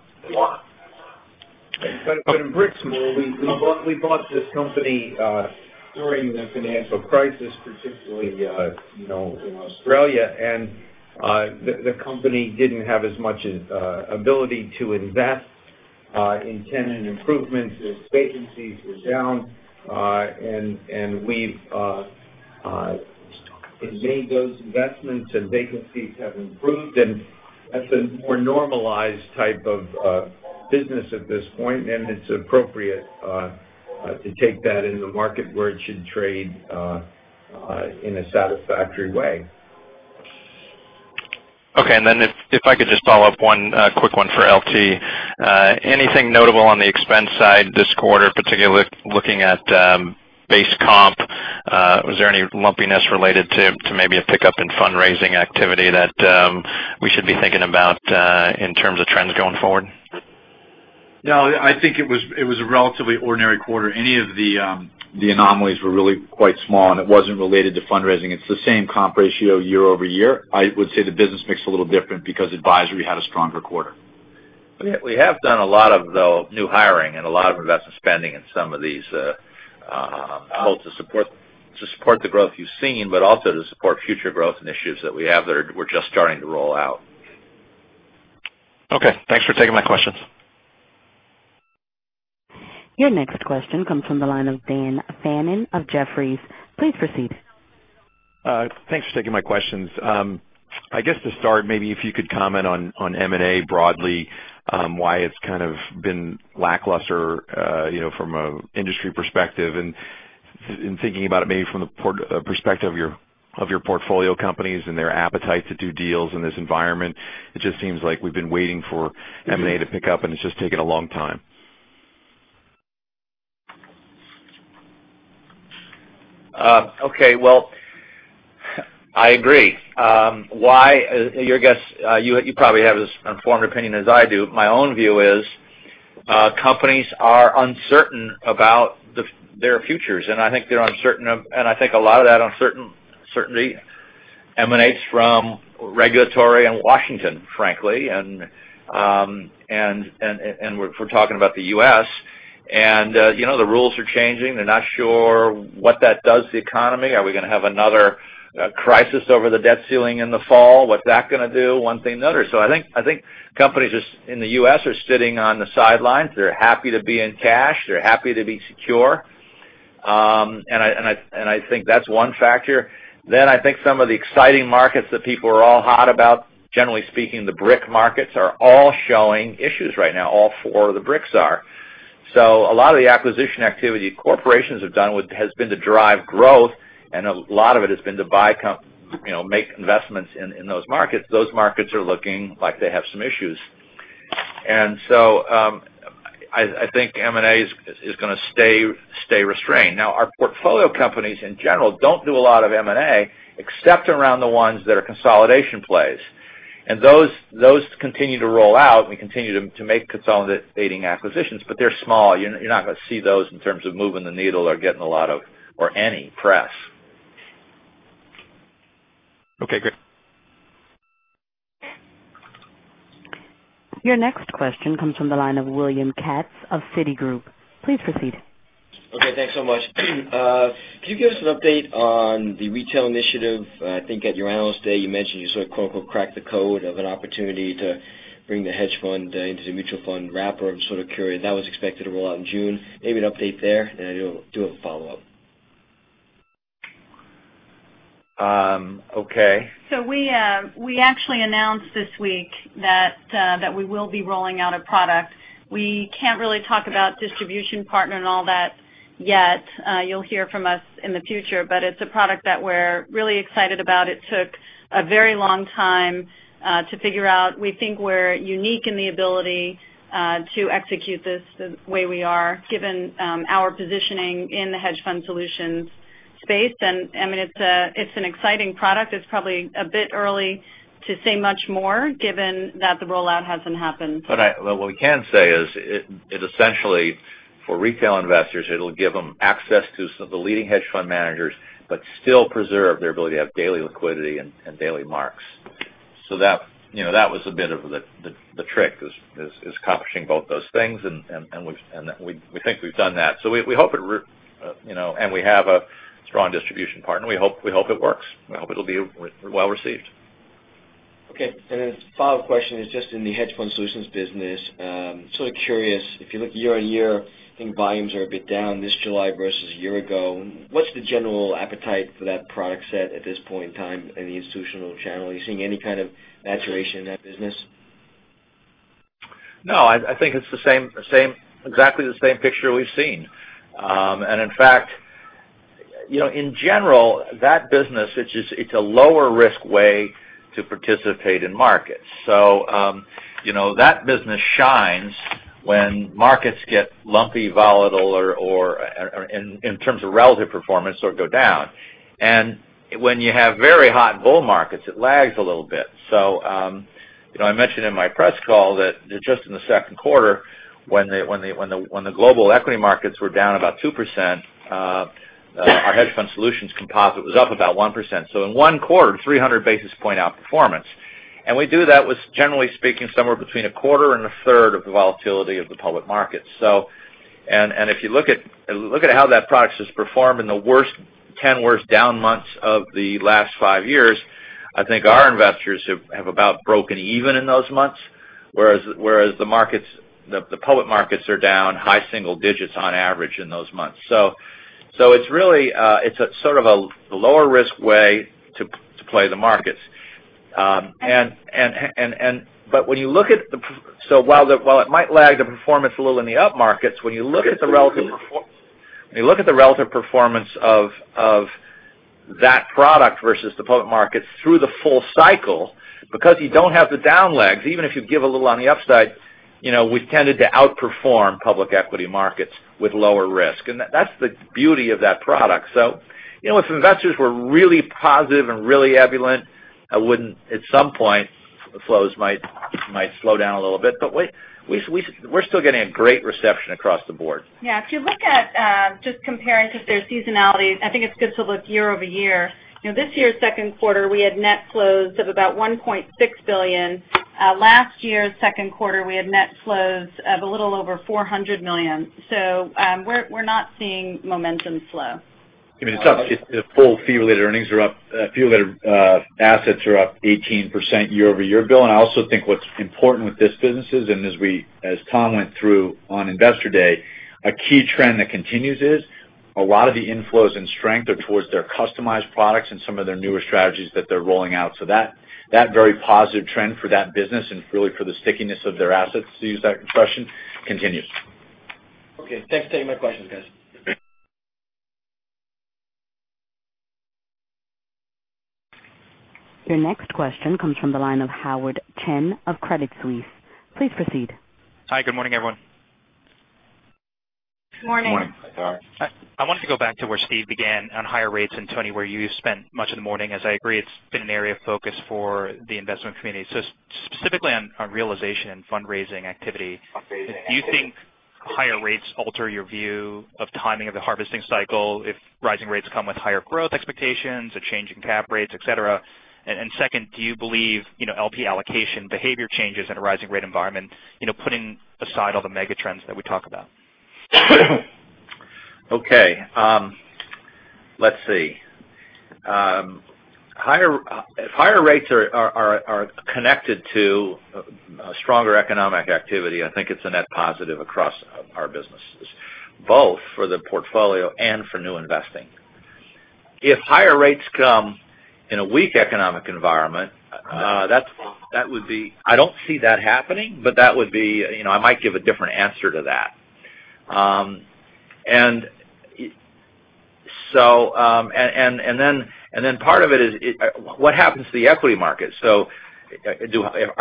In Brixmor, we bought this company during the financial crisis, particularly in Australia. The company didn't have as much ability to invest in tenant improvements. Its vacancies were down. We've made those investments, and vacancies have improved, and that's a more normalized type of business at this point. It's appropriate to take that in the market where it should trade in a satisfactory way. Okay. If I could just follow up one quick one for LT. Anything notable on the expense side this quarter, particularly looking at base comp? Was there any lumpiness related to maybe a pickup in fundraising activity that we should be thinking about in terms of trends going forward? No, I think it was a relatively ordinary quarter. Any of the anomalies were really quite small, and it wasn't related to fundraising. It's the same comp ratio year-over-year. I would say the business mix a little different because advisory had a stronger quarter. We have done a lot of, though, new hiring and a lot of investment spending in some of these, both to support the growth you've seen, but also to support future growth initiatives that we have that we're just starting to roll out. Okay. Thanks for taking my questions. Your next question comes from the line of Daniel Fannon of Jefferies. Please proceed. Thanks for taking my questions. I guess to start, maybe if you could comment on M&A broadly why it's kind of been lackluster from an industry perspective. Thinking about it maybe from the perspective of your portfolio companies and their appetite to do deals in this environment. It just seems like we've been waiting for M&A to pick up, and it's just taken a long time. Okay. Well, I agree. Why? You probably have as informed opinion as I do. My own view is companies are uncertain about their futures, and I think a lot of that uncertainty emanates from regulatory and Washington, frankly, and if we're talking about the U.S. The rules are changing. They're not sure what that does to the economy. Are we going to have another crisis over the debt ceiling in the fall? What's that going to do? One thing or another. I think companies in the U.S. are sitting on the sidelines. They're happy to be in cash. They're happy to be secure. I think that's one factor. I think some of the exciting markets that people are all hot about, generally speaking, the BRIC markets, are all showing issues right now. All four of the BRICs are. A lot of the acquisition activity corporations have done has been to drive growth, and a lot of it has been to make investments in those markets. Those markets are looking like they have some issues. I think M&A is going to stay restrained. Now, our portfolio companies in general don't do a lot of M&A except around the ones that are consolidation plays. Those continue to roll out. We continue to make consolidating acquisitions, but they're small. You're not going to see those in terms of moving the needle or getting a lot of, or any press. Okay, great. Your next question comes from the line of William Katz of Citigroup. Please proceed. Okay, thanks so much. Can you give us an update on the retail initiative? I think at your analyst day, you mentioned you sort of "cracked the code" of an opportunity to bring the hedge fund into the mutual fund wrapper. I'm sort of curious. That was expected to roll out in June. Maybe an update there. I'll do a follow-up. Okay. We actually announced this week that we will be rolling out a product. We can't really talk about distribution partner and all that yet. You'll hear from us in the future. It's a product that we're really excited about. It took a very long time to figure out. We think we're unique in the ability to execute this the way we are, given our positioning in the hedge fund solutions space. It's an exciting product. It's probably a bit early to say much more, given that the rollout hasn't happened. What we can say is it essentially, for retail investors, it will give them access to some of the leading hedge fund managers, but still preserve their ability to have daily liquidity and daily marks. That was a bit of the trick, is accomplishing both those things, and we think we've done that. We have a strong distribution partner. We hope it works. We hope it will be well-received. Okay. The follow-up question is just in the Hedge Fund Solutions business. Sort of curious, if you look year-on-year, I think volumes are a bit down this July versus a year ago. What's the general appetite for that product set at this point in time in the institutional channel? Are you seeing any kind of maturation in that business? No, I think it's exactly the same picture we've seen. In fact, in general, that business, it's a lower risk way to participate in markets. That business shines when markets get lumpy, volatile or in terms of relative performance or go down. When you have very hot bull markets, it lags a little bit. I mentioned in my press call that just in the second quarter, when the global equity markets were down about 2%, our hedge fund solutions composite was up about 1%. In one quarter, 300 basis point outperformance. We do that with, generally speaking, somewhere between a quarter and a third of the volatility of the public markets. If you look at how that product has performed in the 10 worst down months of the last five years, I think our investors have about broken even in those months, whereas the public markets are down high single digits on average in those months. It's sort of a lower risk way to play the markets. While it might lag the performance a little in the up markets, when you look at the relative performance of that product versus the public markets through the full cycle, because you don't have the down legs, even if you give a little on the upside, we've tended to outperform public equity markets with lower risk. That's the beauty of that product. If investors were really positive and really ebullient, at some point, flows might slow down a little bit. We're still getting a great reception across the board. Yeah. If you look at just comparing because there's seasonality, I think it's good to look year-over-year. This year's second quarter, we had net flows of about $1.6 billion. Last year's second quarter, we had net flows of a little over $400 million. We're not seeing momentum slow. I mean, it's up. Full fee-related earnings are up. Fee-related assets are up 18% year-over-year, Bill. I also think what's important with this business is, as Tom went through on Investor Day, a key trend that continues is a lot of the inflows and strength are towards their customized products and some of their newer strategies that they're rolling out. That very positive trend for that business and really for the stickiness of their assets, to use that expression, continues. Okay. Thanks for taking my questions, guys. Your next question comes from the line of Howard Chen of Credit Suisse. Please proceed. Hi, good morning, everyone. Morning. Morning. I wanted to go back to where Steve began on higher rates and Tony, where you spent much of the morning, as I agree it's been an area of focus for the investment community. Specifically on realization and fundraising activity. Fundraising activity. Do you think higher rates alter your view of timing of the harvesting cycle if rising rates come with higher growth expectations, a change in cap rates, et cetera? Second, do you believe LP allocation behavior changes in a rising rate environment, putting aside all the mega trends that we talk about? Okay. Let's see. If higher rates are connected to a stronger economic activity, I think it's a net positive across our businesses, both for the portfolio and for new investing. If higher rates come in a weak economic environment, I don't see that happening, but I might give a different answer to that. Part of it is what happens to the equity market. Are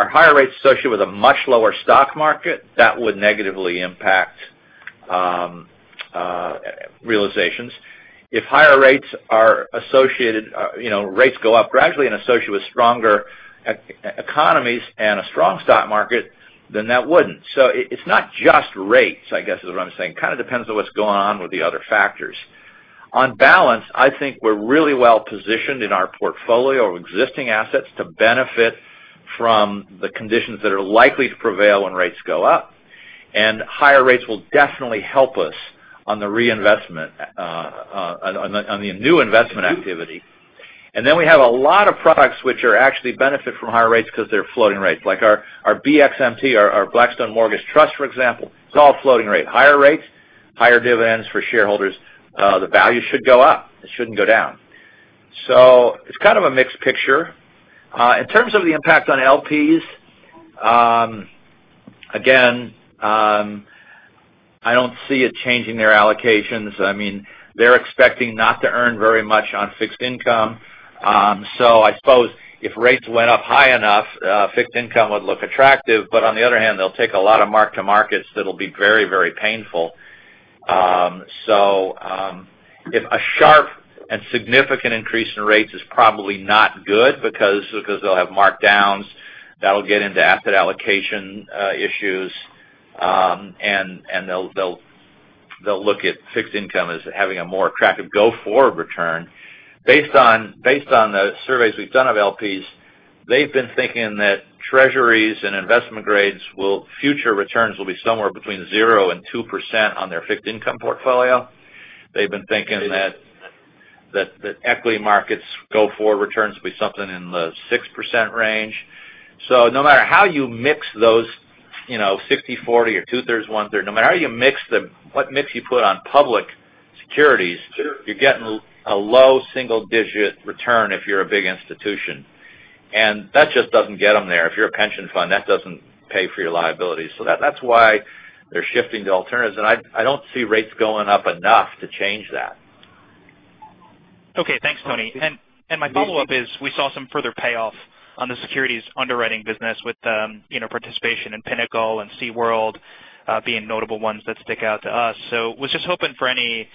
higher rates associated with a much lower stock market? That would negatively impact realizations. If higher rates go up gradually and associated with stronger economies and a strong stock market, that wouldn't. It's not just rates, I guess, is what I'm saying. Kind of depends on what's going on with the other factors. On balance, I think we're really well-positioned in our portfolio of existing assets to benefit from the conditions that are likely to prevail when rates go up, and higher rates will definitely help us on the new investment activity. We have a lot of products which actually benefit from higher rates because they're floating rates, like our BXMT, our Blackstone Mortgage Trust, for example. It's all floating rate. Higher rates. Higher dividends for shareholders. The value should go up. It shouldn't go down. It's kind of a mixed picture. In terms of the impact on LPs, again, I don't see it changing their allocations. They're expecting not to earn very much on fixed income. I suppose if rates went up high enough, fixed income would look attractive. On the other hand, they'll take a lot of mark-to-markets that'll be very painful. If a sharp and significant increase in rates is probably not good because they'll have markdowns, that'll get into asset allocation issues. They'll look at fixed income as having a more attractive go-forward return. Based on the surveys we've done of LPs, they've been thinking that treasuries and investment grades future returns will be somewhere between 0% and 2% on their fixed income portfolio. They've been thinking that equity markets go-forward returns will be something in the 6% range. No matter how you mix those 50-40 or two-thirds, one-third, no matter what mix you put on public securities, you're getting a low single-digit return if you're a big institution. That just doesn't get them there. If you're a pension fund, that doesn't pay for your liability. That's why they're shifting to alternatives, and I don't see rates going up enough to change that. Okay. Thanks, Tony. My follow-up is, we saw some further payoff on the securities underwriting business with participation in Pinnacle and SeaWorld being notable ones that stick out to us. Was just hoping for any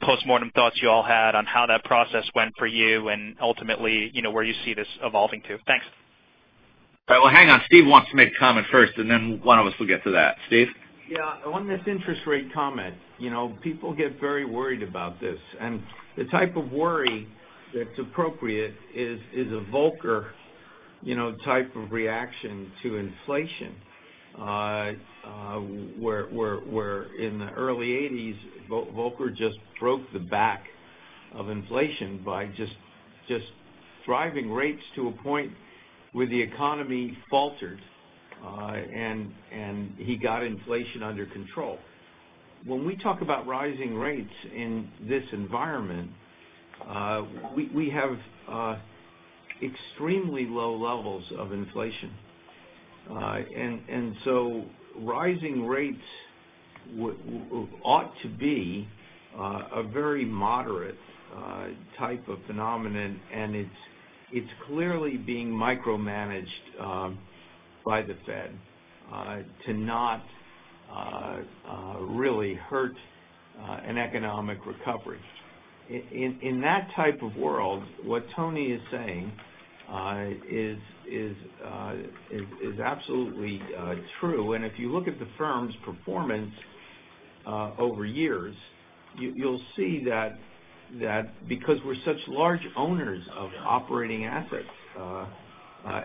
postmortem thoughts you all had on how that process went for you, and ultimately, where you see this evolving to. Thanks. Well, hang on. Steve wants to make a comment first, and then one of us will get to that. Steve? Yeah. On this interest rate comment. People get very worried about this, and the type of worry that's appropriate is a Volcker type of reaction to inflation. Where in the early 1980s, Volcker just broke the back of inflation by just driving rates to a point where the economy faltered, and he got inflation under control. When we talk about rising rates in this environment, we have extremely low levels of inflation. Rising rates ought to be a very moderate type of phenomenon, and it's clearly being micromanaged by the Fed to not really hurt an economic recovery. In that type of world, what Tony is saying is absolutely true. If you look at the firm's performance over years, you'll see that because we're such large owners of operating assets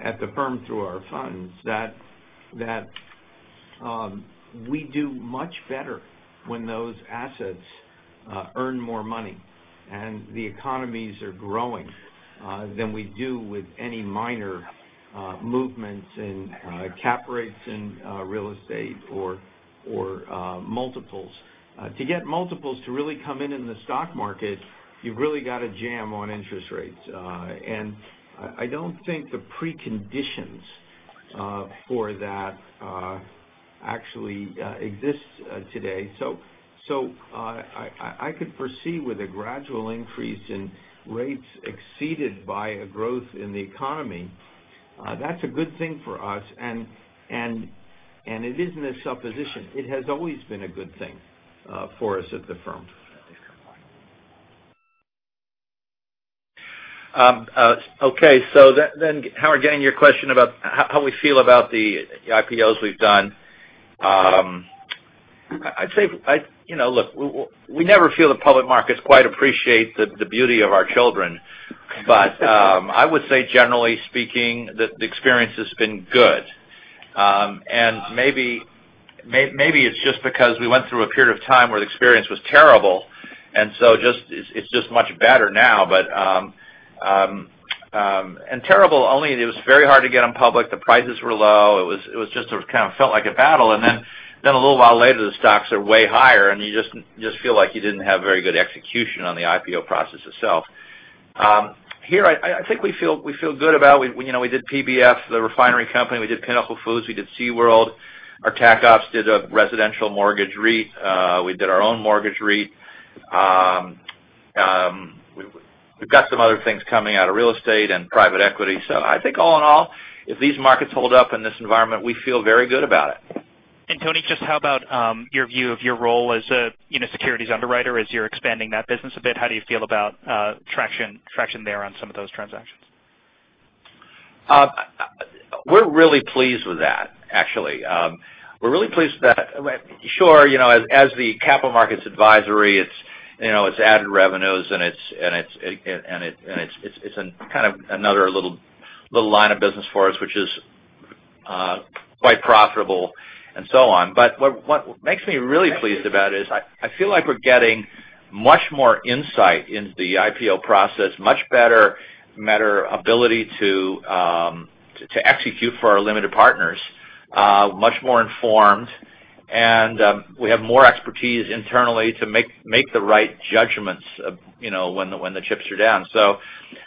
at the firm through our funds, that we do much better when those assets earn more money and the economies are growing than we do with any minor movements in cap rates in real estate or multiples. To get multiples to really come in in the stock market, you've really got to jam on interest rates. I don't think the preconditions for that actually exist today. I could foresee with a gradual increase in rates exceeded by a growth in the economy. That's a good thing for us, and it isn't a supposition. It has always been a good thing for us at the firm. Okay. Howard Chen, your question about how we feel about the IPOs we've done. Look, we never feel the public markets quite appreciate the beauty of our children. I would say generally speaking, that the experience has been good. Maybe it's just because we went through a period of time where the experience was terrible, it's just much better now. Terrible only it was very hard to get them public. The prices were low. It just kind of felt like a battle. Then a little while later, the stocks are way higher, and you just feel like you didn't have very good execution on the IPO process itself. Here, I think we feel good about. We did PBF, the refinery company. We did Pinnacle Foods. We did SeaWorld. Our TAC ops did a residential mortgage REIT. We did our own mortgage REIT. We've got some other things coming out of real estate and private equity. I think all in all, if these markets hold up in this environment, we feel very good about it. Tony, just how about your view of your role as a securities underwriter as you're expanding that business a bit? How do you feel about traction there on some of those transactions? We're really pleased with that, actually. We're really pleased with that. Sure, as the capital markets advisory, it's added revenues and it's kind of another little line of business for us, which is quite profitable and so on. What makes me really pleased about it is I feel like we're getting much more insight in the IPO process, much better ability to execute for our limited partners, much more informed, and we have more expertise internally to make the right judgments when the chips are down.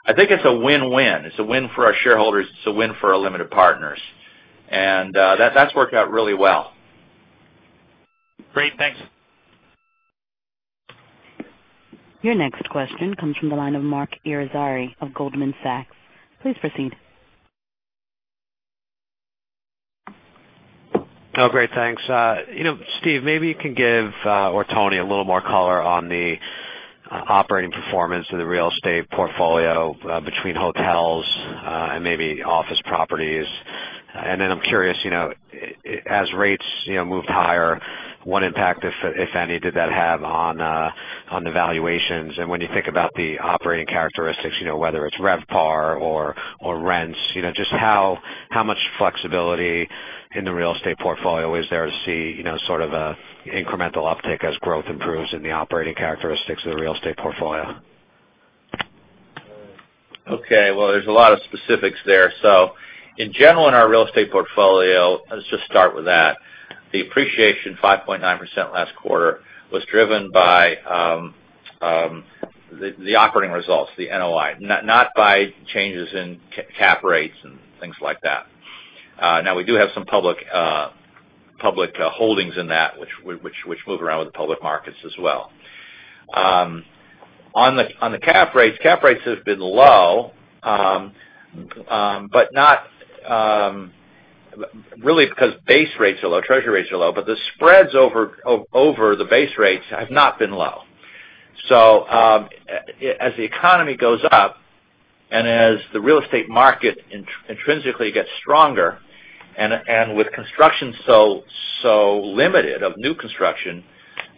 I think it's a win-win. It's a win for our shareholders. It's a win for our limited partners. That's worked out really well. Great. Thanks. Your next question comes from the line of Marc Irizarry of Goldman Sachs. Please proceed. Oh, great. Thanks. Steve, maybe you can give, or Tony, a little more color on the operating performance of the real estate portfolio between hotels and maybe office properties. Then I'm curious, as rates move higher, what impact, if any, did that have on the valuations? When you think about the operating characteristics, whether it's RevPAR or rents, just how much flexibility in the real estate portfolio is there to see sort of an incremental uptick as growth improves in the operating characteristics of the real estate portfolio? Okay. Well, there's a lot of specifics there. In general, in our real estate portfolio, let's just start with that. The appreciation, 5.9% last quarter, was driven by the operating results, the NOI. Not by changes in cap rates and things like that. Now we do have some public holdings in that, which move around with the public markets as well. On the cap rates, cap rates have been low, really because base rates are low, treasury rates are low. The spreads over the base rates have not been low. As the economy goes up and as the real estate market intrinsically gets stronger, and with construction so limited, of new construction,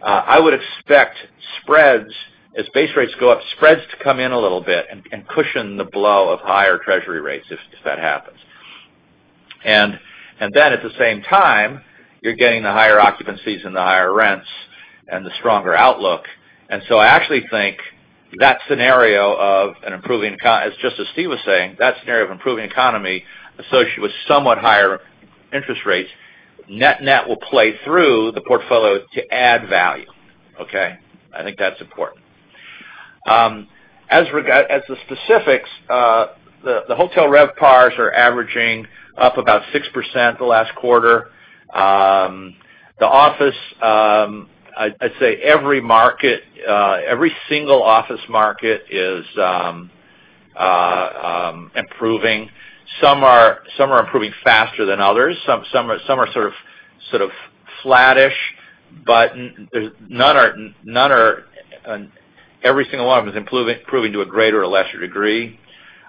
I would expect spreads, as base rates go up, spreads to come in a little bit and cushion the blow of higher treasury rates if that happens. Then at the same time, you're getting the higher occupancies and the higher rents and the stronger outlook. I actually think that scenario of an improving economy, just as Steve was saying, that scenario of improving economy associated with somewhat higher interest rates, net-net will play through the portfolio to add value. Okay? I think that's important. As for specifics, the hotel RevPARs are averaging up about 6% the last quarter. The office, I'd say every single office market is improving. Some are improving faster than others. Some are sort of flat-ish. Every single one of them is improving to a greater or lesser degree.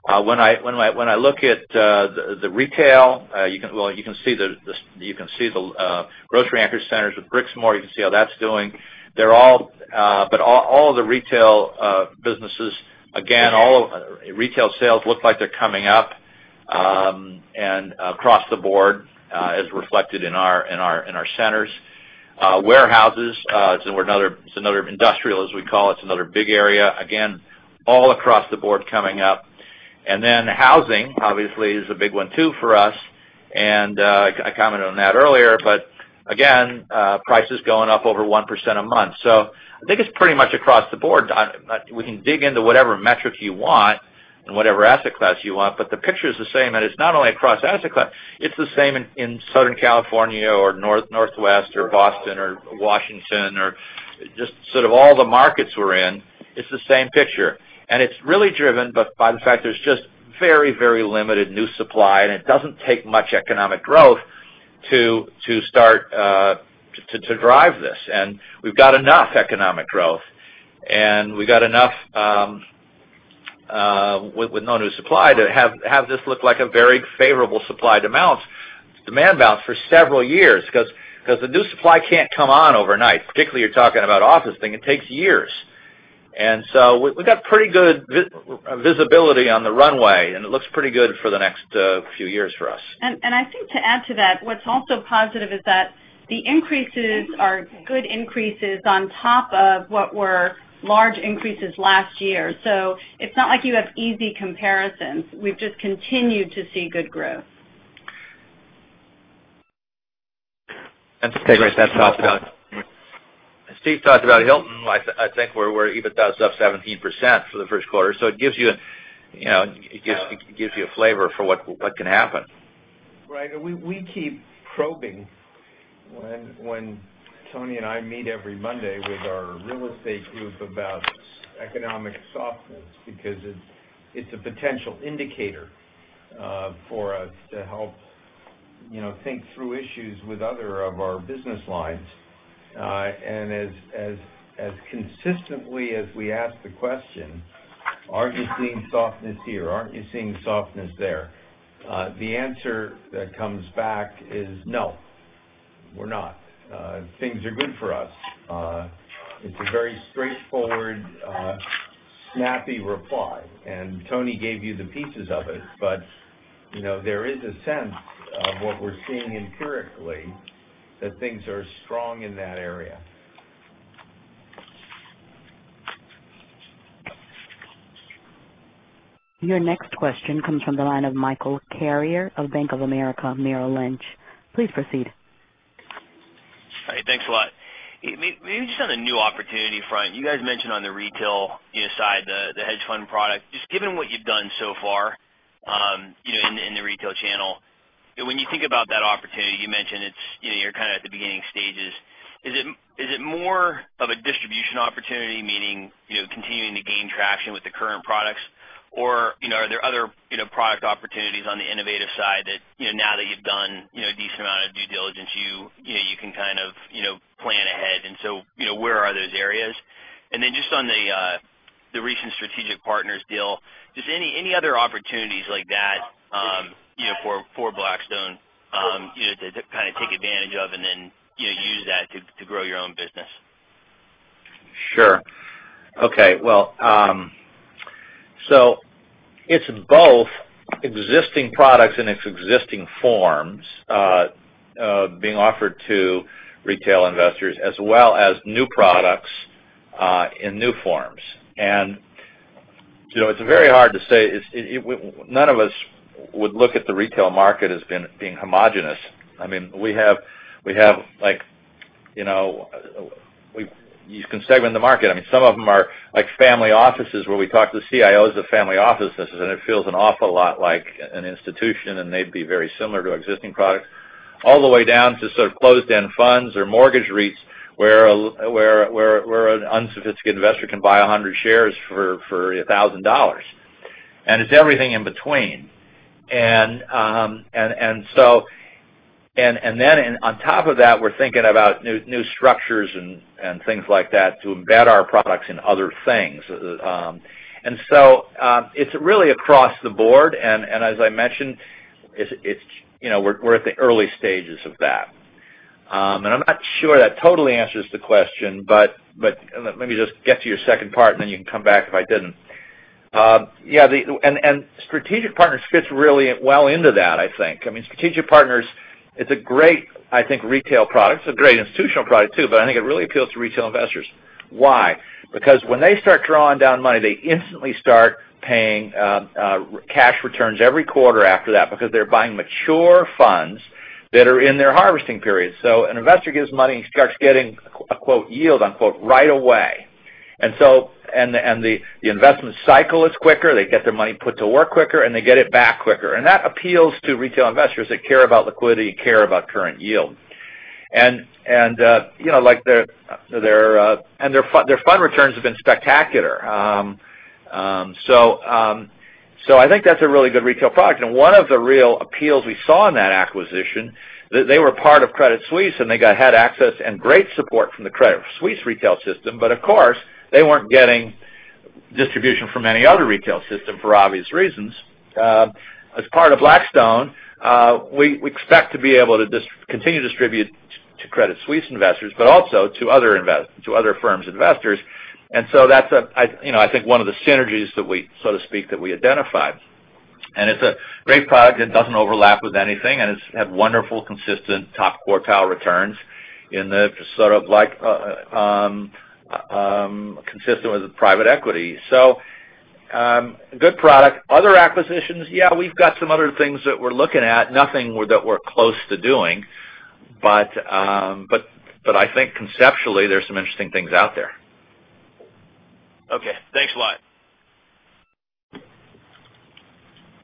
When I look at the retail, well, you can see the grocery anchor centers with Brixmor. You can see how that's doing. All of the retail businesses, again, retail sales look like they're coming up across the board as reflected in our centers. Warehouses, it's another industrial, as we call it. It's another big area. Again, all across the board coming up. Then housing, obviously, is a big one, too, for us, and I commented on that earlier. Again, prices going up over 1% a month. I think it's pretty much across the board. We can dig into whatever metrics you want and whatever asset class you want, but the picture is the same. It's not only across asset class, it's the same in Southern California or Northwest or Boston or Washington, or just sort of all the markets we're in. It's the same picture. It's really driven by the fact there's just very limited new supply. It doesn't take much economic growth to drive this. We've got enough economic growth, and we've got enough with no new supply to have this look like a very favorable supply-demand balance for several years. The new supply can't come on overnight, particularly you're talking about office thing, it takes years. We've got pretty good visibility on the runway, and it looks pretty good for the next few years for us. I think to add to that, what's also positive is that the increases are good increases on top of what were large increases last year. It's not like you have easy comparisons. We've just continued to see good growth. Okay, great. That's helpful. As Steve talked about Hilton, I think we're EBITDAs up 17% for the first quarter. It gives you a flavor for what can happen. Right. We keep probing when Tony and I meet every Monday with our real estate group about economic softness because it's a potential indicator for us to help think through issues with other of our business lines. As consistently as we ask the question, "Are you seeing softness here? Aren't you seeing softness there?" The answer that comes back is, "No, we're not. Things are good for us." It's a very straightforward, snappy reply, and Tony gave you the pieces of it. There is a sense of what we're seeing empirically, that things are strong in that area. Hi. Thanks a lot. Your next question comes from the line of Michael Carrier of Bank of America Merrill Lynch. Please proceed. Hi. Thanks a lot. Maybe just on the new opportunity front, you guys mentioned on the retail side, the hedge fund product. Just given what you've done so far in the retail channel, when you think about that opportunity, you mentioned you're at the beginning stages. Is it more of a distribution opportunity, meaning, continuing to gain traction with the current products, or are there other product opportunities on the innovative side that now that you've done a decent amount of due diligence you can plan ahead? Where are those areas? Just on the recent Strategic Partners deal, just any other opportunities like that for Blackstone to take advantage of and then use that to grow your own business? Sure. Okay. It's both existing products in its existing forms being offered to retail investors as well as new products in new forms. None of us would look at the retail market as being homogenous. You can segment the market. Some of them are family offices where we talk to the CIOs of family offices, and it feels an awful lot like an institution, and they'd be very similar to existing products. All the way down to sort of closed-end funds or mortgage REITs where an unsophisticated investor can buy 100 shares for $1,000. It's everything in between. On top of that, we're thinking about new structures and things like that to embed our products in other things. It's really across the board, and as I mentioned, we're at the early stages of that. I'm not sure that totally answers the question, but let me just get to your second part, then you can come back if I didn't. Yeah. Strategic Partners fits really well into that, I think. Strategic Partners, it's a great retail product. It's a great institutional product too, but I think it really appeals to retail investors. Why? Because when they start drawing down money, they instantly start paying cash returns every quarter after that because they're buying mature funds that are in their harvesting period. An investor gives money and starts getting a "yield" right away. The investment cycle is quicker. They get their money put to work quicker, and they get it back quicker. That appeals to retail investors that care about liquidity, care about current yield. Their fund returns have been spectacular. I think that's a really good retail product. One of the real appeals we saw in that acquisition, they were part of Credit Suisse, and they had access and great support from the Credit Suisse retail system. Of course, they weren't getting distribution from any other retail system for obvious reasons. As part of Blackstone, we expect to be able to continue to distribute to Credit Suisse investors, also to other firms investors. That's I think one of the synergies so to speak, that we identified. It's a great product that doesn't overlap with anything, and it's had wonderful, consistent top quartile returns in the sort of like consistent with private equity. Good product. Other acquisitions, yeah, we've got some other things that we're looking at. Nothing that we're close to doing. I think conceptually, there's some interesting things out there. Okay. Thanks a lot.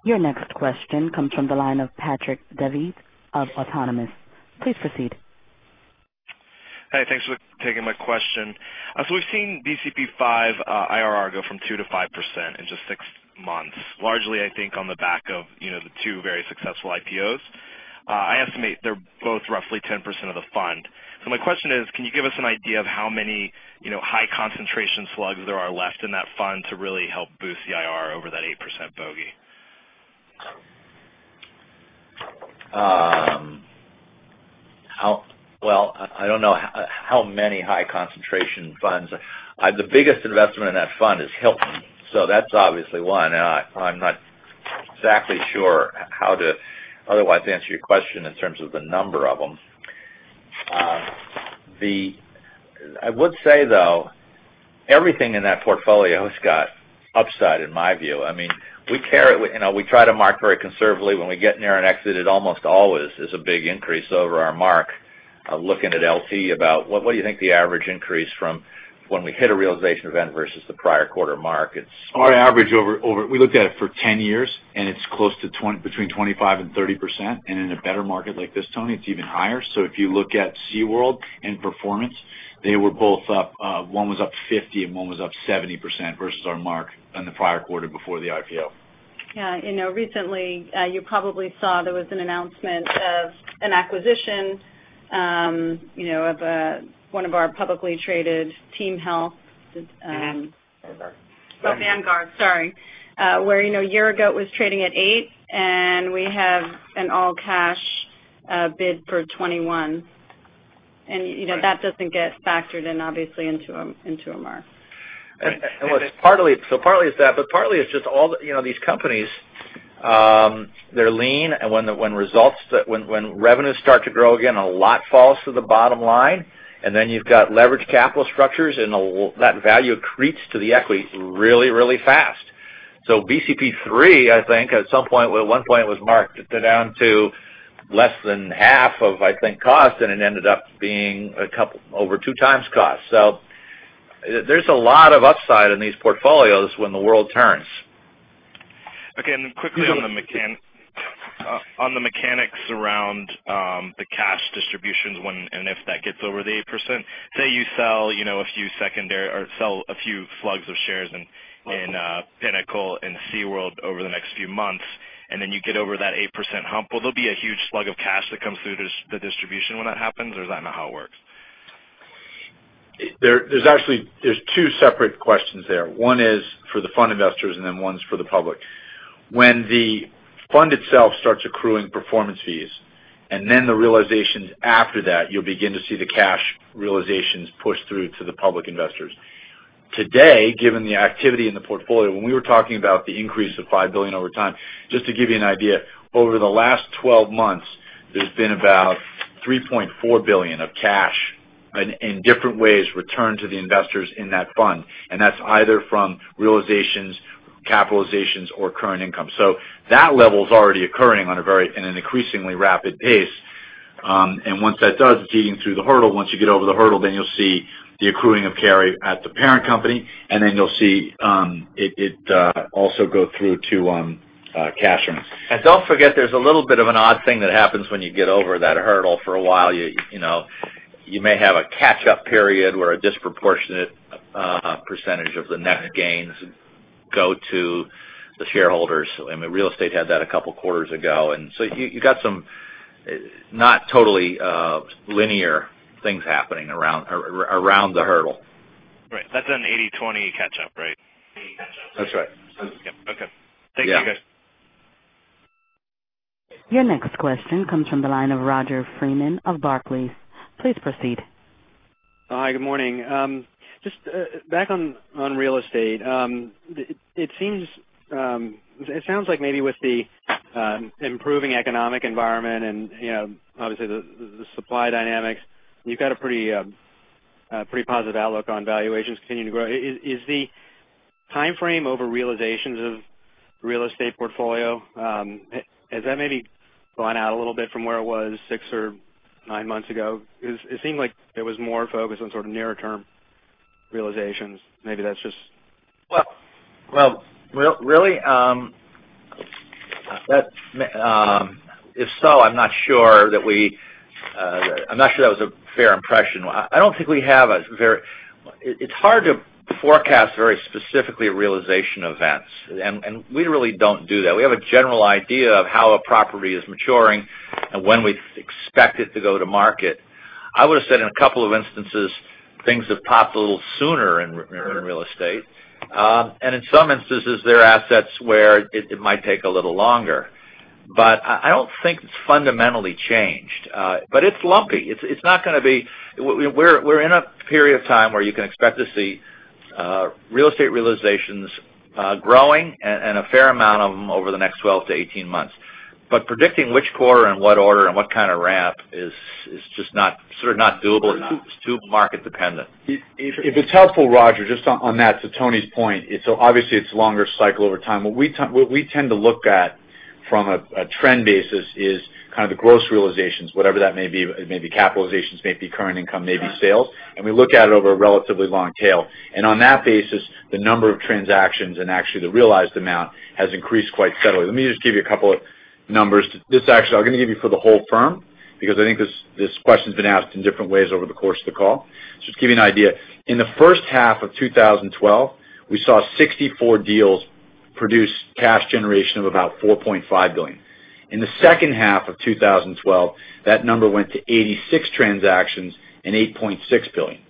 Your next question comes from the line of Patrick Davitt of Autonomous. Please proceed. Hi. Thanks for taking my question. We've seen BCP V IRR go from two to five% in just six months, largely I think on the back of the two very successful IPOs. I estimate they're both roughly 10% of the fund. My question is, can you give us an idea of how many high concentration slugs there are left in that fund to really help boost the IRR over that eight% bogey? Well, I don't know how many high concentration funds. The biggest investment in that fund is Hilton. That's obviously one. I'm not exactly sure how to otherwise answer your question in terms of the number of them. I would say, though, everything in that portfolio has got upside in my view. We try to mark very conservatively. When we get near an exit, it almost always is a big increase over our mark. Looking at LT, what do you think the average increase from when we hit a realization event versus the prior quarter mark? Our average, we looked at it for 10 years, and it's close to between 25 and 30%. In a better market like this, Tony, it's even higher. If you look at SeaWorld and performance, they were both up. One was up 50% and one was up 70% versus our mark in the prior quarter before the IPO. Yeah. Recently, you probably saw there was an announcement of an acquisition of one of our publicly traded TeamHealth. Vanguard. Vanguard. Sorry. Where a year ago, it was trading at $8, we have an all-cash bid for $21. That doesn't get factored in, obviously, into a mark. Right. Partly it's that, but partly it's just all these companies They're lean, and when revenues start to grow again, a lot falls to the bottom line. You've got leveraged capital structures, and that value accretes to the equity really, really fast. BCP III, I think at one point it was marked down to less than half of, I think, cost, and it ended up being over two times cost. There's a lot of upside in these portfolios when the world turns. Okay. Quickly on the mechanics around the cash distributions, when and if that gets over the 8%, say you sell a few secondary or sell a few slugs of shares in Pinnacle and SeaWorld over the next few months, and then you get over that 8% hump. Will there be a huge slug of cash that comes through the distribution when that happens, or is that not how it works? There's two separate questions there. One is for the fund investors and then one's for the public. When the fund itself starts accruing performance fees and then the realizations after that, you'll begin to see the cash realizations push through to the public investors. Today, given the activity in the portfolio, when we were talking about the increase of $5 billion over time, just to give you an idea, over the last 12 months, there's been about $3.4 billion of cash in different ways returned to the investors in that fund, and that's either from realizations, capitalizations, or current income. That level is already occurring in an increasingly rapid pace. Once that does, it's eating through the hurdle. Once you get over the hurdle, then you'll see the accruing of carry at the parent company, and then you'll see it also go through to cash. Don't forget, there's a little bit of an odd thing that happens when you get over that hurdle for a while. You may have a catch-up period where a disproportionate percentage of the net gains go to the shareholders. Real estate had that a couple of quarters ago, you got some not totally linear things happening around the hurdle. Right. That's an 80/20 catch-up, right? That's right. Yep. Okay. Yeah. Thank you, guys. Your next question comes from the line of Roger Freeman of Barclays. Please proceed. Hi. Good morning. Just back on real estate. It sounds like maybe with the improving economic environment and obviously the supply dynamics, you've got a pretty positive outlook on valuations continuing to grow. Is the timeframe over realizations of real estate portfolio, has that maybe gone out a little bit from where it was six or nine months ago? Because it seemed like it was more focused on sort of nearer term realizations. Well, really? If so, I'm not sure that was a fair impression. It's hard to forecast very specifically realization events, and we really don't do that. We have a general idea of how a property is maturing and when we expect it to go to market. I would've said in a couple of instances, things have popped a little sooner in real estate. In some instances, there are assets where it might take a little longer. I don't think it's fundamentally changed. It's lumpy. We're in a period of time where you can expect to see real estate realizations growing and a fair amount of them over the next 12 to 18 months. Predicting which quarter and what order and what kind of ramp is sort of not doable. It's too market-dependent. If it's helpful, Roger, just on that, to Tony's point, obviously it's a longer cycle over time. What we tend to look at from a trend basis is kind of the gross realizations, whatever that may be. It may be capitalizations, may be current income, may be sales. We look at it over a relatively long tail. On that basis, the number of transactions and actually the realized amount has increased quite steadily. Let me just give you a couple of numbers. I'm going to give you for the whole firm because I think this question's been asked in different ways over the course of the call. Just to give you an idea. In the first half of 2012, we saw 64 deals produce cash generation of about $4.5 billion. In the second half of 2012, that number went to 86 transactions and $8.6 billion.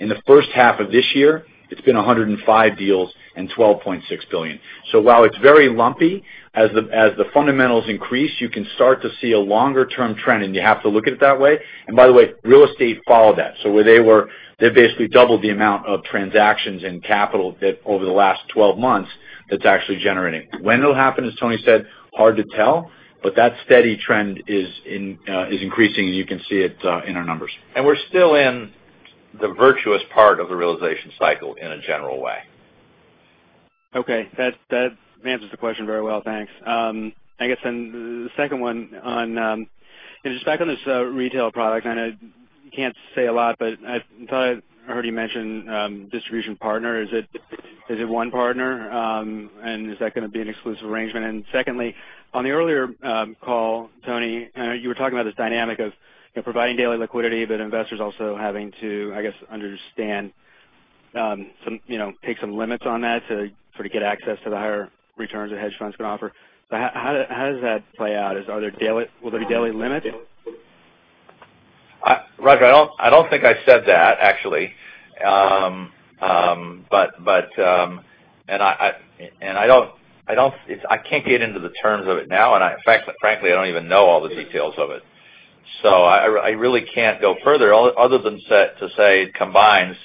In the first half of this year, it's been 105 deals and $12.6 billion. While it's very lumpy, as the fundamentals increase, you can start to see a longer-term trend, and you have to look at it that way. By the way, real estate followed that. They basically doubled the amount of transactions in capital over the last 12 months that's actually generating. When it'll happen, as Tony said, hard to tell. That steady trend is increasing, and you can see it in our numbers. We're still in the virtuous part of the realization cycle in a general way. Okay. That answers the question very well. Thanks. I guess the second one on, just back on this retail product, I know you can't say a lot, but I thought I heard you mention distribution partner. Is it one partner? Is that going to be an exclusive arrangement? Secondly, on the earlier call, Tony, you were talking about this dynamic of providing daily liquidity but investors also having to, I guess, understand take some limits on that to sort of get access to the higher returns that hedge funds can offer. How does that play out? Will there be daily limits? Roger, I don't think I said that actually. I can't get into the terms of it now. Frankly, I don't even know all the details of it. I really can't go further other than to say it combines.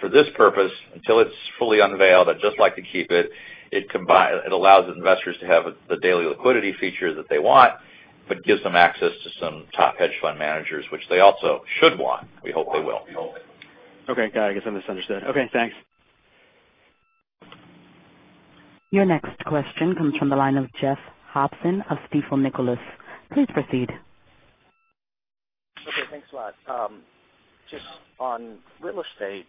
For this purpose, until it's fully unveiled, I'd just like to keep it. It allows investors to have the daily liquidity feature that they want but gives them access to some top hedge fund managers, which they also should want. We hope they will. Okay. Got it. I guess I misunderstood. Okay, thanks. Your next question comes from the line of Jeff Harte of Stifel Nicolaus. Please proceed. Okay, thanks a lot. Just on real estate,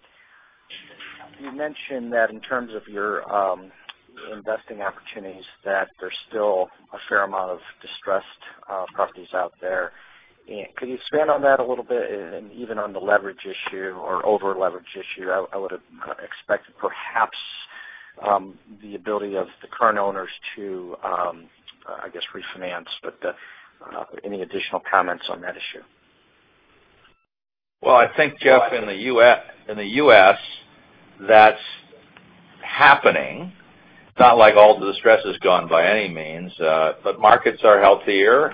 you mentioned that in terms of your investing opportunities, that there's still a fair amount of distressed properties out there. Could you expand on that a little bit? Even on the leverage issue or over-leverage issue, I would have expected perhaps the ability of the current owners to, I guess, refinance. Any additional comments on that issue? Well, I think, Jeff, in the U.S., that's happening. It's not like all the distress is gone by any means. Markets are healthier,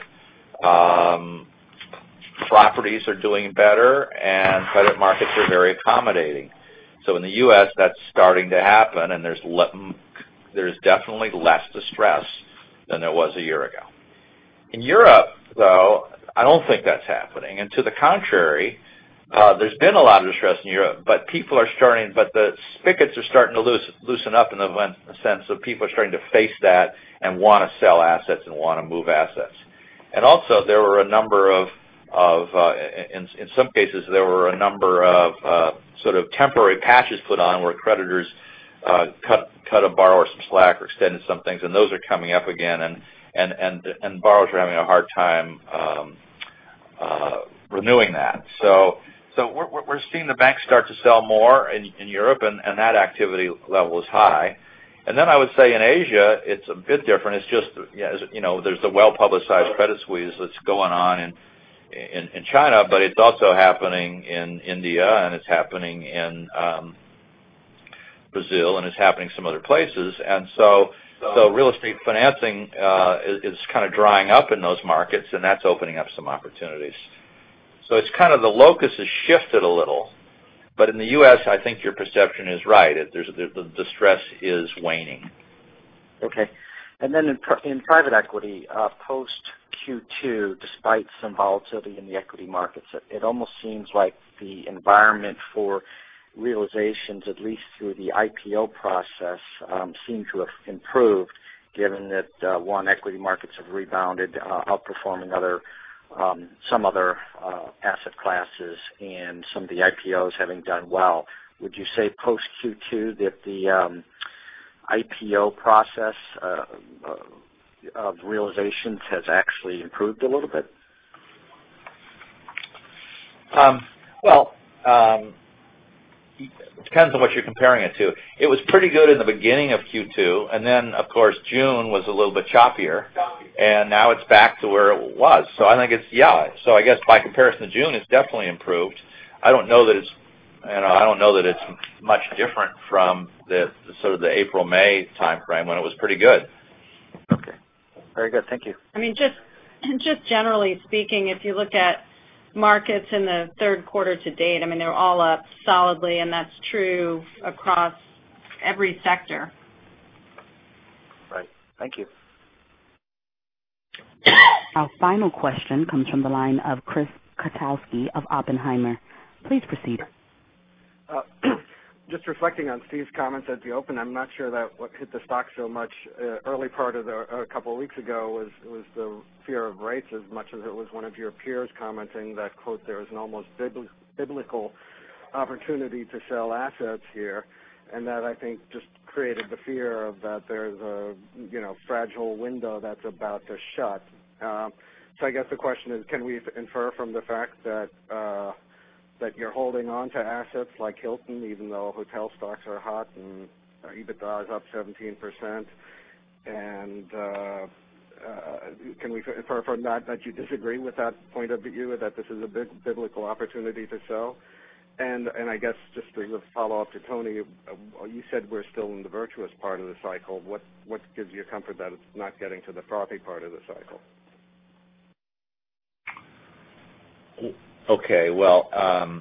properties are doing better, and credit markets are very accommodating. In the U.S., that's starting to happen, and there's definitely less distress than there was a year ago. In Europe, though, I don't think that's happening. To the contrary, there's been a lot of distress in Europe. The spigots are starting to loosen up in the sense that people are starting to face that and want to sell assets and want to move assets. Also, in some cases, there were a number of sort of temporary patches put on where creditors cut a borrower some slack or extended some things, and those are coming up again, and borrowers are having a hard time renewing that. We're seeing the banks start to sell more in Europe, and that activity level is high. I would say in Asia, it's a bit different. There's the well-publicized credit squeeze that's going on in China, but it's also happening in India, and it's happening in Brazil, and it's happening in some other places. Real estate financing is kind of drying up in those markets, and that's opening up some opportunities. It's kind of the locus has shifted a little. In the U.S., I think your perception is right. The distress is waning. Okay. In private equity, post Q2, despite some volatility in the equity markets, it almost seems like the environment for realizations, at least through the IPO process, seem to have improved, given that 1, equity markets have rebounded, outperforming some other asset classes, and some of the IPOs having done well. Would you say post Q2 that the IPO process of realizations has actually improved a little bit? Well, it depends on what you're comparing it to. It was pretty good in the beginning of Q2. Then, of course, June was a little bit choppier, and now it's back to where it was. I guess by comparison to June, it's definitely improved. I don't know that it's much different from the sort of the April-May timeframe when it was pretty good. Okay. Very good. Thank you. Just generally speaking, if you look at markets in the third quarter to date, they're all up solidly. That's true across every sector. Right. Thank you. Our final question comes from the line of Chris Kotowski of Oppenheimer. Please proceed. Just reflecting on Steve's comments at the open, I'm not sure that what hit the stock so much a couple of weeks ago was the fear of rates, as much as it was one of your peers commenting that, quote, "There is an almost biblical opportunity to sell assets here." That, I think, just created the fear that there's a fragile window that's about to shut. I guess the question is, can we infer from the fact that you're holding on to assets like Hilton, even though hotel stocks are hot and EBITDA is up 17%? Can we infer from that that you disagree with that point of view, that this is a big biblical opportunity to sell? I guess, just to follow up to Tony, you said we're still in the virtuous part of the cycle. What gives you comfort that it's not getting to the frothy part of the cycle? Okay. Obviously,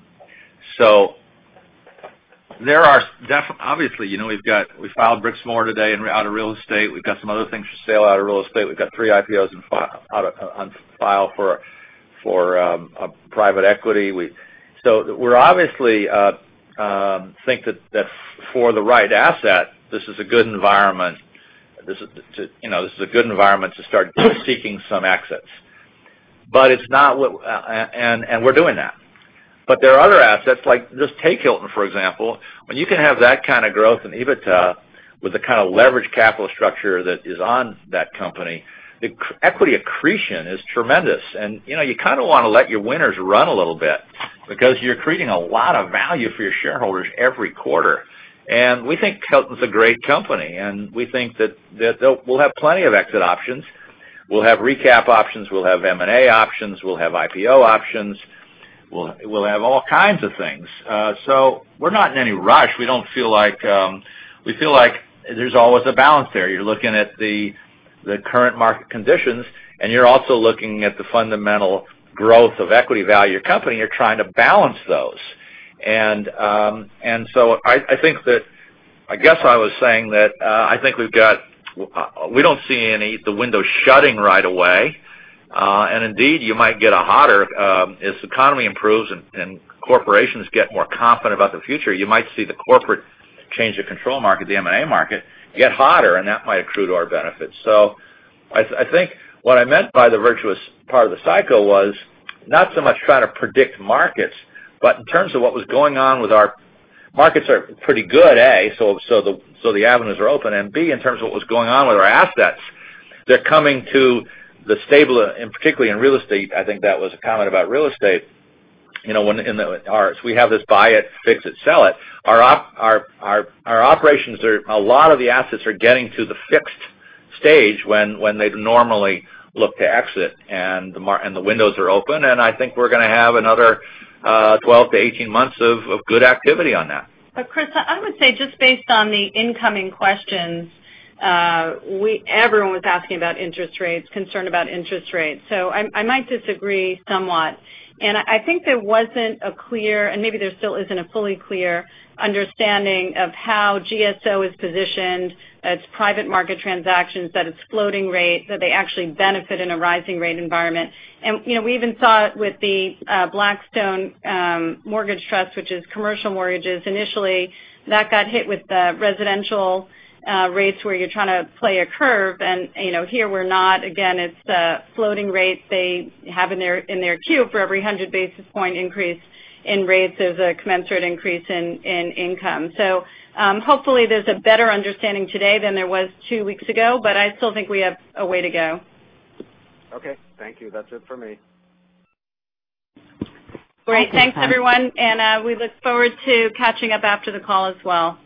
we filed Brixmor today out of real estate. We've got some other things for sale out of real estate. We've got three IPOs on file for private equity. We obviously think that for the right asset, this is a good environment to start seeking some exits. We're doing that. There are other assets. Just take Hilton, for example. When you can have that kind of growth in EBITDA with the kind of leverage capital structure that is on that company, the equity accretion is tremendous. You kind of want to let your winners run a little bit because you're creating a lot of value for your shareholders every quarter. We think Hilton's a great company, and we think that we'll have plenty of exit options. We'll have recap options. We'll have M&A options. We'll have IPO options. We'll have all kinds of things. We're not in any rush. We feel like there's always a balance there. You're looking at the current market conditions, and you're also looking at the fundamental growth of equity value of your company, and you're trying to balance those. I guess I was saying that I think we don't see the window shutting right away. Indeed, as the economy improves and corporations get more confident about the future, you might see the corporate change of control market, the M&A market, get hotter, and that might accrue to our benefit. I think what I meant by the virtuous part of the cycle was not so much trying to predict markets, but in terms of what was going on with our. Markets are pretty good, A, so the avenues are open. B, in terms of what was going on with our assets, they're coming to the stable, and particularly in real estate, I think that was a comment about real estate. We have this buy it, fix it, sell it. Our operations are, a lot of the assets are getting to the fixed stage when they'd normally look to exit, and the windows are open, and I think we're going to have another 12 to 18 months of good activity on that. Chris, I would say just based on the incoming questions, everyone was asking about interest rates, concerned about interest rates. I might disagree somewhat. I think there wasn't a clear, and maybe there still isn't a fully clear understanding of how GSO is positioned, its private market transactions, that it's floating rate, that they actually benefit in a rising rate environment. We even saw it with the Blackstone Mortgage Trust, which is commercial mortgages. Initially, that got hit with the residential rates where you're trying to play a curve. Here we're not. Again, it's the floating rates they have in their queue for every 100 basis point increase in rates is a commensurate increase in income. Hopefully, there's a better understanding today than there was two weeks ago, but I still think we have a way to go. Okay. Thank you. That's it for me. Great. Thanks, everyone. We look forward to catching up after the call as well.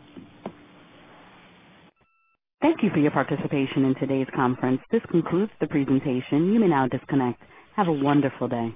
Thank you for your participation in today's conference. This concludes the presentation. You may now disconnect. Have a wonderful day.